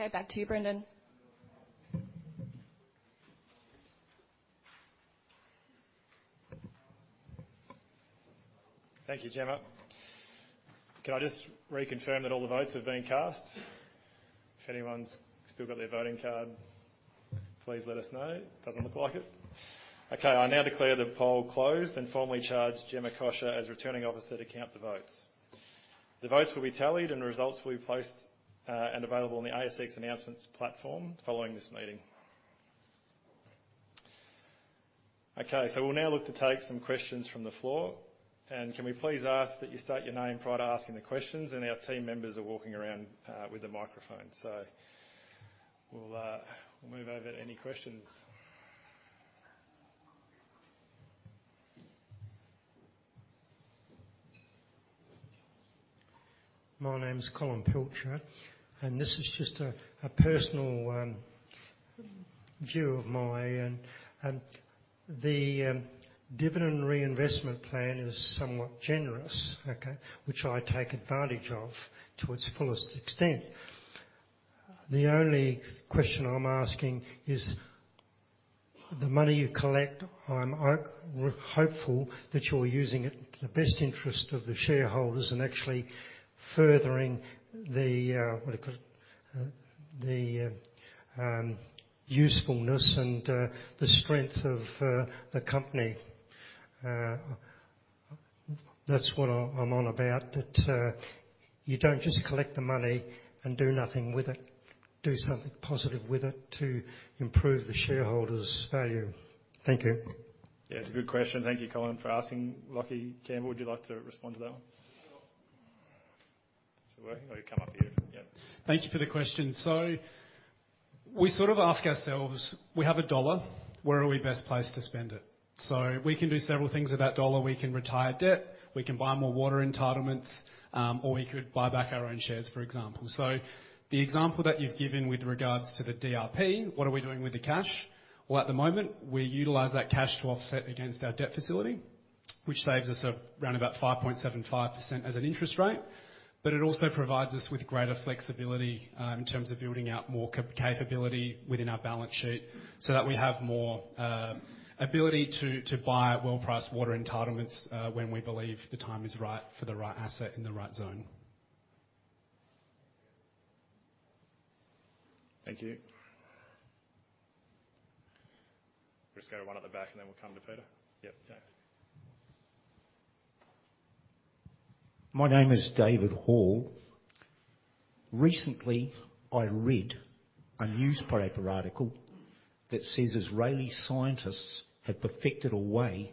Okay, back to you, Brendan. Thank you, Gemma. Can I just reconfirm that all the votes have been cast? If anyone's still got their voting card, please let us know. Doesn't look like it. Okay, I now declare the poll closed and formally charge Gemma Kosher as Returning Officer to count the votes. The votes will be tallied, and the results will be placed, and available on the ASX announcements platform following this meeting... Okay, so we'll now look to take some questions from the floor. Can we please ask that you state your name prior to asking the questions, and our team members are walking around with a microphone. So we'll move over to any questions. My name is Colin Pilcher, and this is just a personal view of mine, and the dividend reinvestment plan is somewhat generous, okay? Which I take advantage of to its fullest extent. The only question I'm asking is: the money you collect, I'm hopeful that you're using it to the best interest of the shareholders and actually furthering the, what do you call it? The usefulness and the strength of the company. That's what I'm on about, that you don't just collect the money and do nothing with it. Do something positive with it to improve the shareholders' value. Thank you. Yeah, it's a good question. Thank you, Colin, for asking. Lachie Campbell, would you like to respond to that one? Is it working or you come up here? Yep. Thank you for the question. So we sort of ask ourselves, we have a dollar, where are we best placed to spend it? So we can do several things with that dollar. We can retire debt, we can buy more water entitlements, or we could buy back our own shares, for example. So the example that you've given with regards to the DRP, what are we doing with the cash? Well, at the moment, we utilize that cash to offset against our debt facility, which saves us around about 5.75% as an interest rate, but it also provides us with greater flexibility, in terms of building out more capability within our balance sheet, so that we have more ability to buy well-priced water entitlements, when we believe the time is right for the right asset in the right zone. Thank you. Just go to one at the back, and then we'll come to Peter. Yep, thanks. My name is David Hall. Recently, I read a newspaper article that says Israeli scientists have perfected a way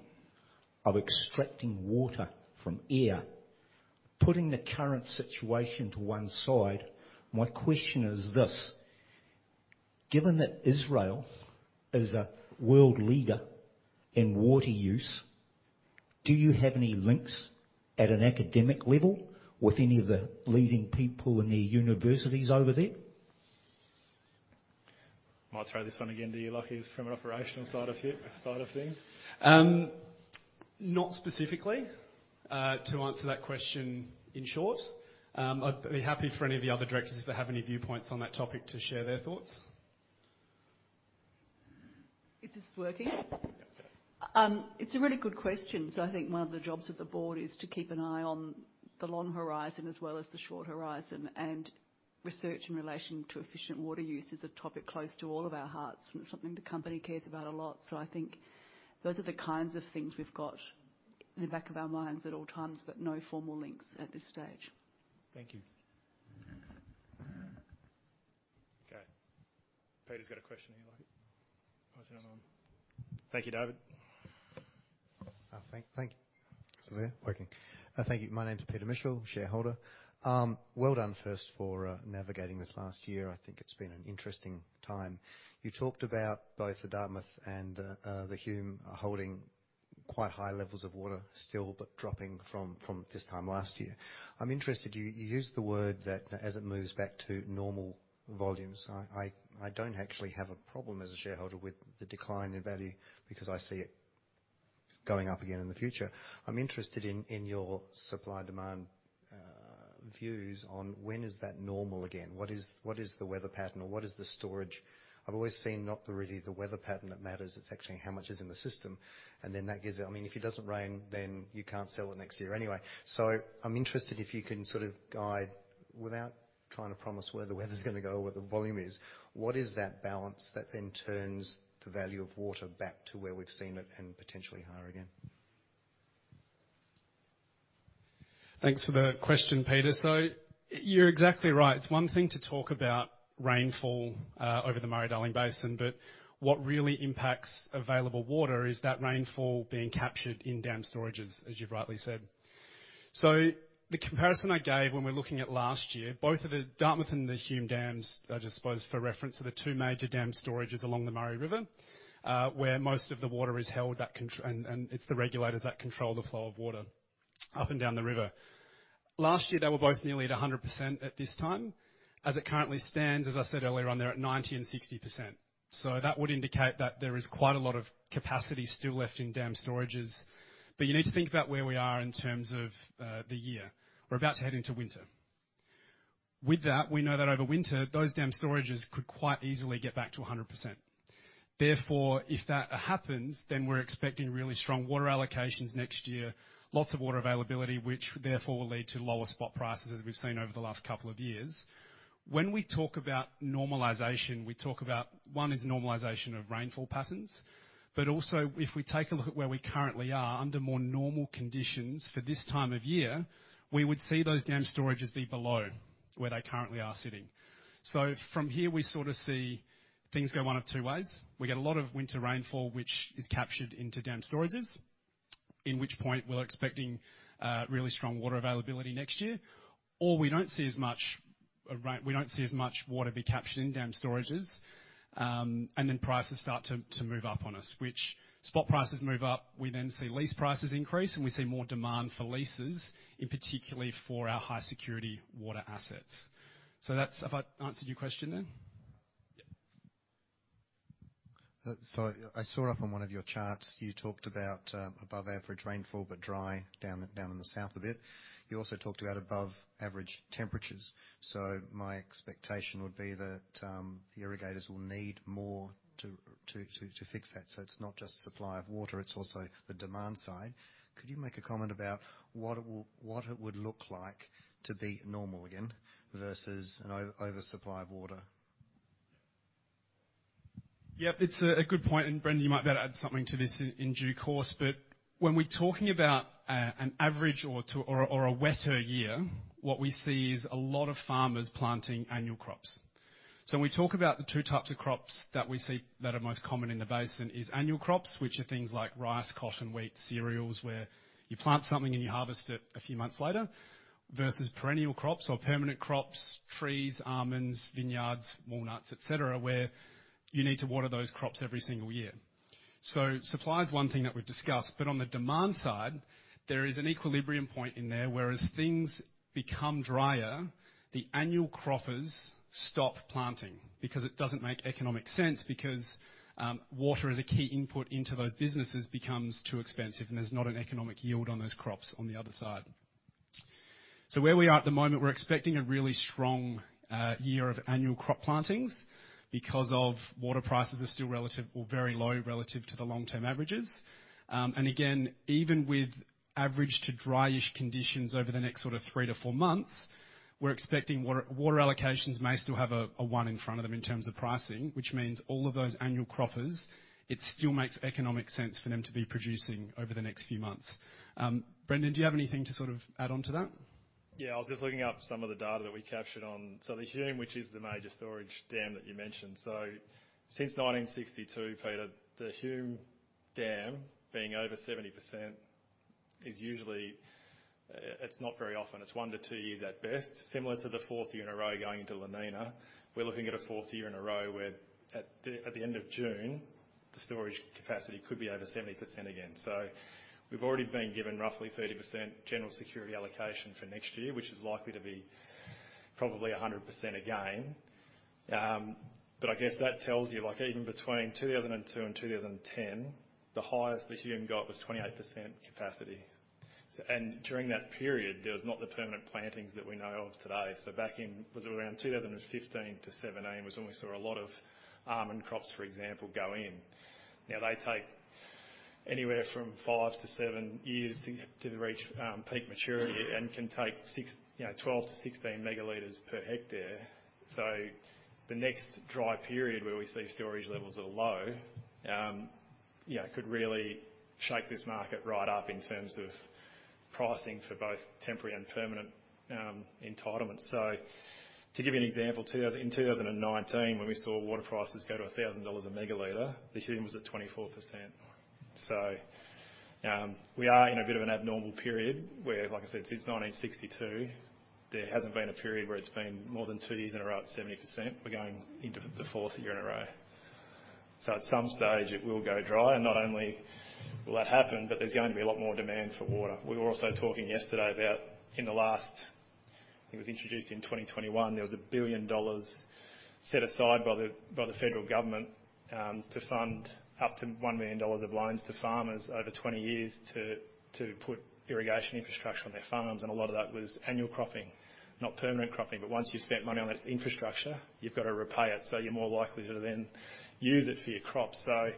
of extracting water from air. Putting the current situation to one side, my question is this: given that Israel is a world leader in water use, do you have any links at an academic level with any of the leading people in the universities over there? I'll throw this one again to you, Lachie, from an operational side of things. Not specifically, to answer that question in short. I'd be happy for any of the other directors, if they have any viewpoints on that topic, to share their thoughts. Is this working? Yep. It's a really good question. So I think one of the jobs of the board is to keep an eye on the long horizon as well as the short horizon, and research in relation to efficient water use is a topic close to all of our hearts, and it's something the company cares about a lot. So I think those are the kinds of things we've got in the back of our minds at all times, but no formal links at this stage. Thank you. Okay. Peter's got a question here, Lachie. Oh, is it on? Thank you, David. Thank you. My name is Peter Mitchell, shareholder. Well done, first, for navigating this last year. I think it's been an interesting time. You talked about both the Dartmouth and the Hume are holding quite high levels of water still, but dropping from this time last year. I'm interested. You used the word that, as it moves back to normal volumes, I don't actually have a problem as a shareholder with the decline in value because I see it going up again in the future. I'm interested in your supply-demand views on when is that normal again? What is the weather pattern or what is the storage? I've always seen not really the weather pattern that matters, it's actually how much is in the system, and then that gives it... I mean, if it doesn't rain, then you can't sell it next year anyway. So I'm interested if you can sort of guide, without trying to promise where the weather's gonna go or what the volume is, what is that balance that then turns the value of water back to where we've seen it and potentially higher again? Thanks for the question, Peter. So you're exactly right. It's one thing to talk about rainfall over the Murray-Darling Basin, but what really impacts available water is that rainfall being captured in dam storages, as you've rightly said. So the comparison I gave when we're looking at last year, both of the Dartmouth and the Hume dams, I just suppose for reference, are the two major dam storages along the Murray River, where most of the water is held, and it's the regulators that control the flow of water up and down the river. Last year, they were both nearly at 100% at this time. As it currently stands, as I said earlier on, they're at 90% and 60%. So that would indicate that there is quite a lot of capacity still left in dam storages. But you need to think about where we are in terms of, the year. We're about to head into winter. With that, we know that over winter, those dam storages could quite easily get back to 100%. Therefore, if that happens, then we're expecting really strong water allocations next year, lots of water availability, which therefore will lead to lower spot prices, as we've seen over the last couple of years. When we talk about normalization, we talk about, one, is normalization of rainfall patterns, but also, if we take a look at where we currently are, under more normal conditions for this time of year, we would see those dam storages be below where they currently are sitting. So from here, we sort of see things go one of two ways. We get a lot of winter rainfall, which is captured into dam storages-... in which point, we're expecting really strong water availability next year, or we don't see as much, right, we don't see as much water be captured in dam storages, and then prices start to move up on us, as spot prices move up, we then see lease prices increase, and we see more demand for leases, in particular for our High Security water assets. So that's. Have I answered your question then? Yep. So I saw up on one of your charts, you talked about above average rainfall, but dry down in the south a bit. You also talked about above average temperatures, so my expectation would be that the irrigators will need more to fix that. So it's not just supply of water, it's also the demand side. Could you make a comment about what it would look like to be normal again versus an oversupply of water? Yep, it's a good point, and Brendan, you might be able to add something to this in due course. But when we're talking about an average or two or a wetter year, what we see is a lot of farmers planting annual crops. So when we talk about the two types of crops that we see that are most common in the basin, is annual crops, which are things like rice, cotton, wheat, cereals, where you plant something and you harvest it a few months later. Versus perennial crops or permanent crops, trees, almonds, vineyards, walnuts, et cetera, where you need to water those crops every single year. So supply is one thing that we've discussed, but on the demand side, there is an equilibrium point in there, whereas things become drier, the annual croppers stop planting because it doesn't make economic sense, because water is a key input into those businesses, becomes too expensive, and there's not an economic yield on those crops on the other side. So where we are at the moment, we're expecting a really strong year of annual crop plantings because water prices are still relative or very low relative to the long-term averages. And again, even with average to dry-ish conditions over the next sort of 3-4 months, we're expecting water allocations may still have a 1 in front of them in terms of pricing, which means all of those annual croppers, it still makes economic sense for them to be producing over the next few months. Brendan, do you have anything to sort of add on to that? Yeah, I was just looking up some of the data that we captured. So the Hume, which is the major storage dam that you mentioned. So since 1962, Peter, the Hume Dam being over 70% is usually. It's not very often. It's 1-2 years at best, similar to the fourth year in a row going into La Niña. We're looking at a fourth year in a row, where at the end of June, the storage capacity could be over 70% again. So we've already been given roughly 30% general security allocation for next year, which is likely to be probably 100% again. But I guess that tells you, like, even between 2002 and 2010, the highest the Hume got was 28% capacity. During that period, there was not the permanent plantings that we know of today. So back in, was it around 2015-2017, was when we saw a lot of almond crops, for example, go in. Now, they take anywhere from 5-7 years to reach peak maturity and can take 6, you know, 12-16 megalitres per hectare. So the next dry period where we see storage levels are low, yeah, could really shake this market right up in terms of pricing for both temporary and permanent entitlements. So to give you an example, in 2019, when we saw water prices go to 1,000 dollars a megalitre, the Hume was at 24%. So, we are in a bit of an abnormal period where, like I said, since 1962, there hasn't been a period where it's been more than two years in a row at 70%. We're going into the fourth year in a row. So at some stage, it will go dry, and not only will that happen, but there's going to be a lot more demand for water. We were also talking yesterday about. It was introduced in 2021, there was 1 billion dollars set aside by the, by the federal government, to fund up to 1 million dollars of loans to farmers over 20 years to, to put irrigation infrastructure on their farms, and a lot of that was annual cropping, not permanent cropping. But once you've spent money on that infrastructure, you've got to repay it, so you're more likely to then use it for your crops. So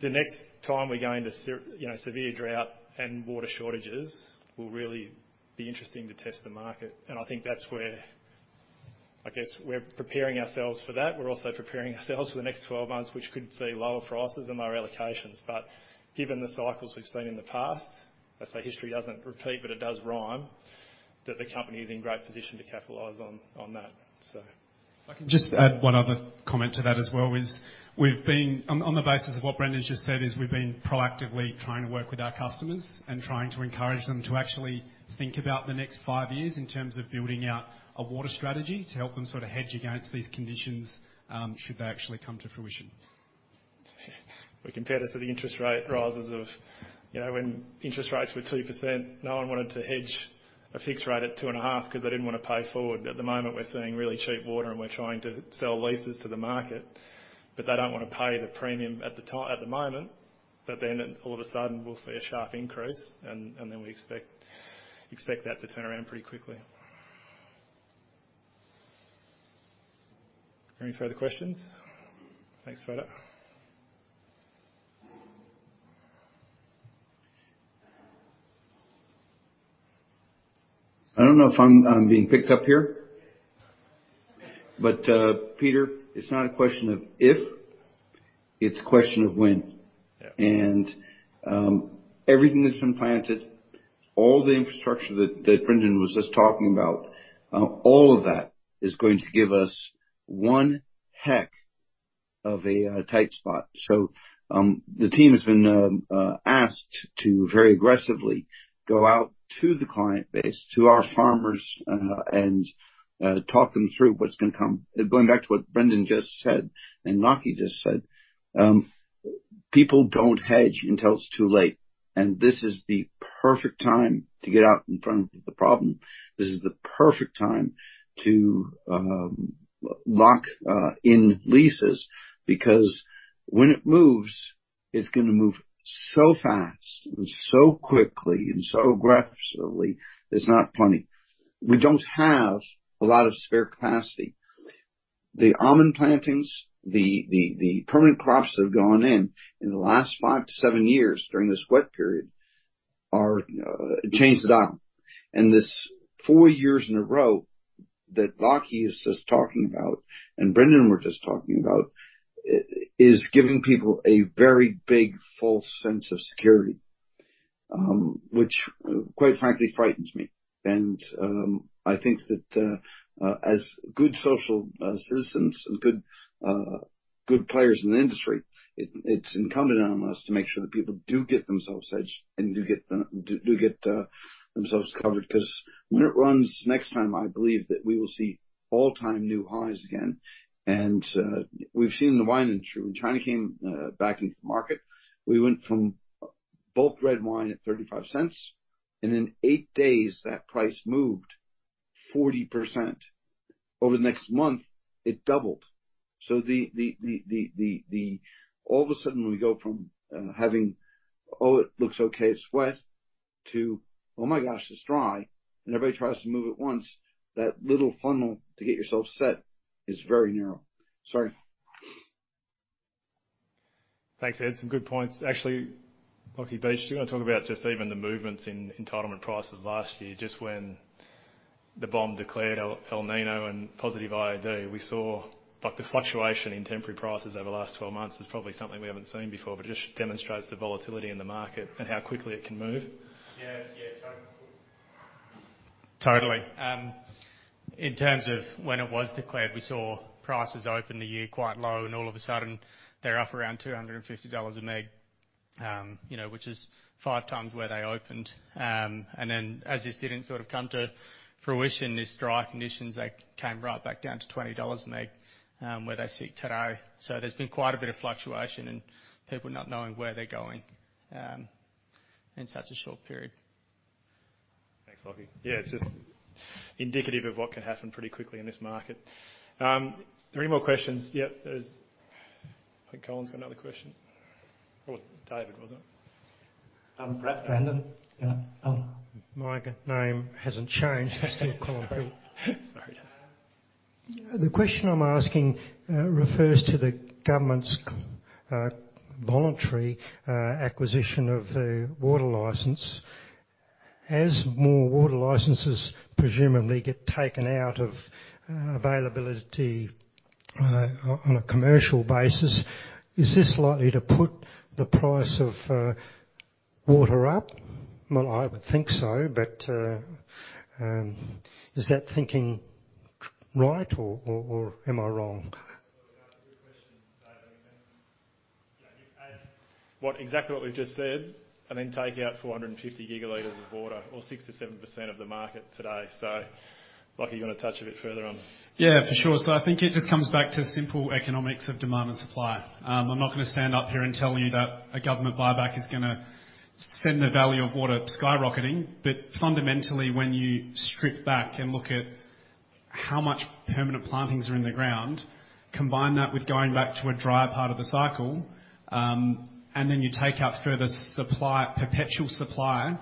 the next time we go into severe, you know, drought and water shortages, will really be interesting to test the market. And I think that's where, I guess, we're preparing ourselves for that. We're also preparing ourselves for the next 12 months, which could see lower prices and lower allocations. But given the cycles we've seen in the past, I say history doesn't repeat, but it does rhyme, that the company is in great position to capitalize on, on that, so. If I can just add one other comment to that as well, on the basis of what Brendan just said, we've been proactively trying to work with our customers and trying to encourage them to actually think about the next five years in terms of building out a water strategy to help them sort of hedge against these conditions, should they actually come to fruition. Yeah. We compare it to the interest rate rises of, you know, when interest rates were 2%, no one wanted to hedge a fixed rate at 2.5, because they didn't want to pay forward. At the moment, we're seeing really cheap water, and we're trying to sell leases to the market, but they don't want to pay the premium at the moment. But then all of a sudden, we'll see a sharp increase, and then we expect that to turn around pretty quickly. Any further questions? Thanks, Peter. I don't know if I'm being picked up here, but, Peter, it's not a question of if, it's a question of when. Yeah. Everything that's been planted, all the infrastructure that Brendan was just talking about, all of that is going to give us one heck-of a tight spot. So, the team has been asked to very aggressively go out to the client base, to our farmers, and talk them through what's gonna come. Going back to what Brendan just said, and Lachie just said, people don't hedge until it's too late, and this is the perfect time to get out in front of the problem. This is the perfect time to lock in leases, because when it moves, it's gonna move so fast, and so quickly, and so aggressively, it's not funny. We don't have a lot of spare capacity. The almond plantings, the permanent crops that have gone in, in the last 5-7 years during this wet period, are changed the dial. And this four years in a row that Lachie is just talking about, and Brendan were just talking about, it is giving people a very big, false sense of security. Which, quite frankly, frightens me. And, I think that, as good social citizens and good, good players in the industry, it, it's incumbent on us to make sure that people do get themselves hedged and do get themselves covered. 'Cause when it runs next time, I believe that we will see all-time new highs again. And, we've seen in the wine industry, when China came back into the market, we went from bulk red wine at 0.35, and in eight days, that price moved 40%. Over the next month, it doubled. So the... All of a sudden, we go from having, "Oh, it looks okay, it's wet," to, "Oh, my gosh, it's dry!" And everybody tries to move at once. That little funnel to get yourself set is very narrow. Sorry. Thanks, Ed. Some good points. Actually, Lachie Beech, do you want to talk about just even the movements in entitlement prices last year, just when the BOM declared El Niño and positive IOD? We saw, like, the fluctuation in temporary prices over the last 12 months is probably something we haven't seen before, but just demonstrates the volatility in the market and how quickly it can move. Yeah. Yeah, totally. In terms of when it was declared, we saw prices open the year quite low, and all of a sudden, they're up around 250 dollars a meg. You know, which is five times where they opened. And then, as this didn't sort of come to fruition, these dry conditions, they came right back down to 20 dollars a meg, where they sit today. So there's been quite a bit of fluctuation and people not knowing where they're going, in such a short period. Thanks, Lachie. Yeah, it's just indicative of what can happen pretty quickly in this market. Any more questions? Yeah, there's... I think Colin's got another question. Or David, was it? Brendan? Yeah, My name hasn't changed. Sorry. The question I'm asking refers to the government's voluntary acquisition of the water license. As more water licenses presumably get taken out of availability on a commercial basis, is this likely to put the price of water up? Well, I would think so, but is that thinking right, or am I wrong? That's a good question, David. Yeah, we add what, exactly what we've just said, and then take out 450 gigaliters of water or 6%-7% of the market today. So, Lachie, you want to touch a bit further on this? Yeah, for sure. So I think it just comes back to simple economics of demand and supply. I'm not going to stand up here and tell you that a government buyback is gonna send the value of water skyrocketing. But fundamentally, when you strip back and look at how much permanent plantings are in the ground, combine that with going back to a drier part of the cycle, and then you take out further supply, perpetual supply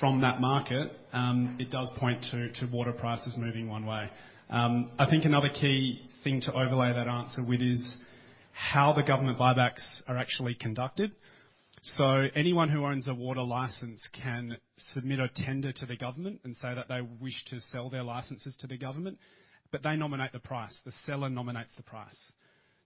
from that market, it does point to water prices moving one way. I think another key thing to overlay that answer with is how the government buybacks are actually conducted. So anyone who owns a water license can submit a tender to the government and say that they wish to sell their licenses to the government, but they nominate the price. The seller nominates the price.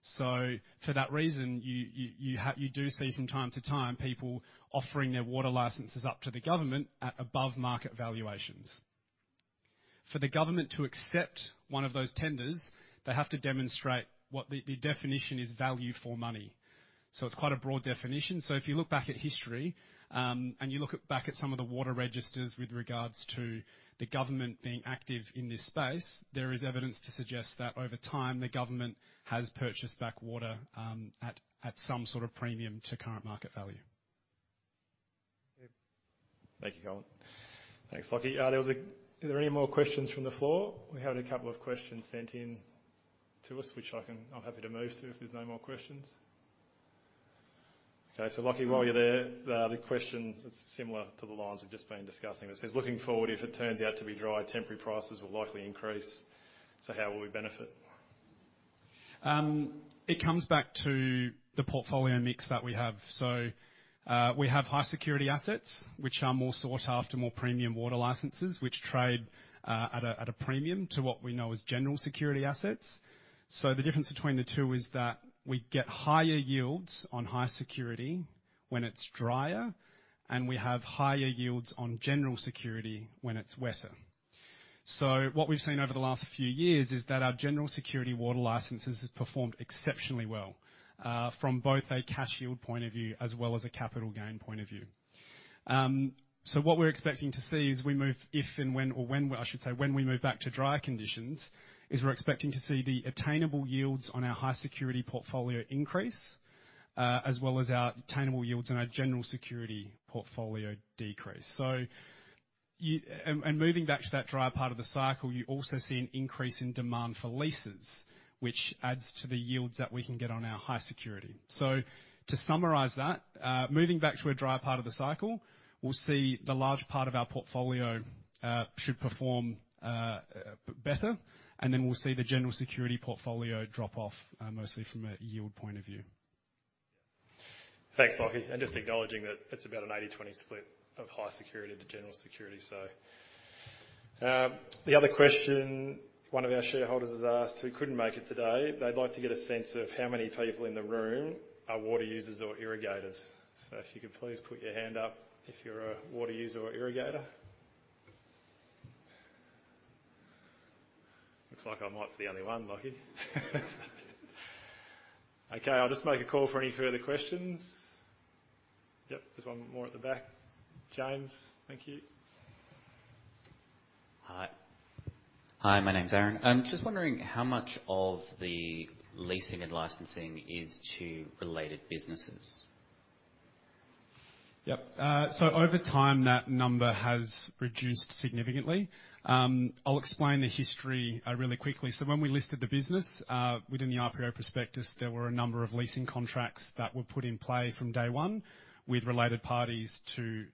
So for that reason, you do see from time to time, people offering their water licenses up to the government at above-market valuations. For the government to accept one of those tenders, they have to demonstrate what... The definition is value for money, so it's quite a broad definition. So if you look back at history, and you look back at some of the water registers with regards to the government being active in this space, there is evidence to suggest that over time, the government has purchased back water, at some sort of premium to current market value. Thank you, Colin. Thanks, Lachie. Are there any more questions from the floor? We had a couple of questions sent in to us, which I'm happy to move to, if there's no more questions. Okay, so Lachie, while you're there, the question is similar to the lines we've just been discussing. It says: "Looking forward, if it turns out to be dry, temporary prices will likely increase, so how will we benefit? It comes back to the portfolio mix that we have. So, we have High Security assets, which are more sought after, more premium water licenses, which trade at a premium to what we know as general security assets. So the difference between the two is that we get higher yields on High Security when it's drier, and we have higher yields on general security when it's wetter. So what we've seen over the last few years is that our general security water licenses have performed exceptionally well, from both a cash yield point of view as well as a capital gain point of view. So what we're expecting to see is, when we move back to drier conditions, we're expecting to see the attainable yields on our high-security portfolio increase, as well as our attainable yields on our general security portfolio decrease. So, moving back to that drier part of the cycle, you also see an increase in demand for leases, which adds to the yields that we can get on our high security. So to summarize that, moving back to a drier part of the cycle, we'll see the large part of our portfolio should perform better, and then we'll see the general security portfolio drop off, mostly from a yield point of view. Thanks, Lachie, and just acknowledging that it's about an 80/20 split of high security to general security. So, the other question one of our shareholders has asked, who couldn't make it today, they'd like to get a sense of how many people in the room are water users or irrigators. So if you could please put your hand up if you're a water user or irrigator. Looks like I might be the only one, Lachie. Okay, I'll just make a call for any further questions. Yep, there's one more at the back. James, thank you. Hi. Hi, my name's Aaron. I'm just wondering how much of the leasing and licensing is to related businesses? Yep. So over time, that number has reduced significantly. I'll explain the history really quickly. So when we listed the business within the IPO prospectus, there were a number of leasing contracts that were put in play from day one with related parties to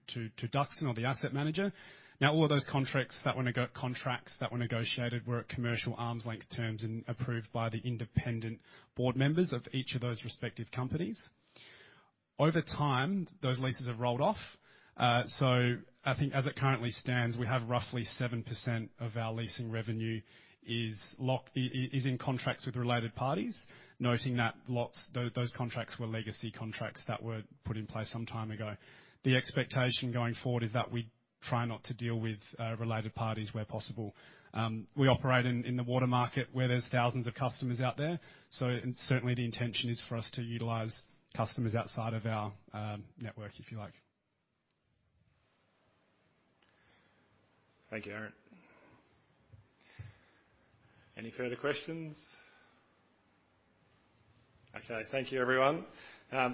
Duxton or the asset manager. Now, all of those contracts that were negotiated were at commercial arm's length terms and approved by the independent board members of each of those respective companies. Over time, those leases have rolled off. So I think as it currently stands, we have roughly 7% of our leasing revenue is in contracts with related parties, noting that those contracts were legacy contracts that were put in place some time ago. The expectation going forward is that we try not to deal with related parties where possible. We operate in the water market, where there's thousands of customers out there, so, and certainly the intention is for us to utilize customers outside of our network, if you like. Thank you, Aaron. Any further questions? Okay, thank you, everyone.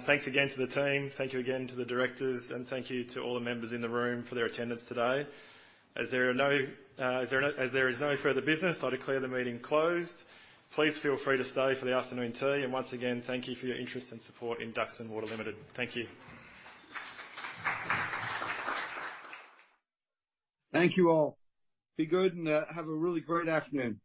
Thanks again to the team, thank you again to the directors, and thank you to all the members in the room for their attendance today. As there is no further business, I declare the meeting closed. Please feel free to stay for the afternoon tea, and once again, thank you for your interest and support in Duxton Water Limited. Thank you. Thank you all. Be good, and have a really great afternoon.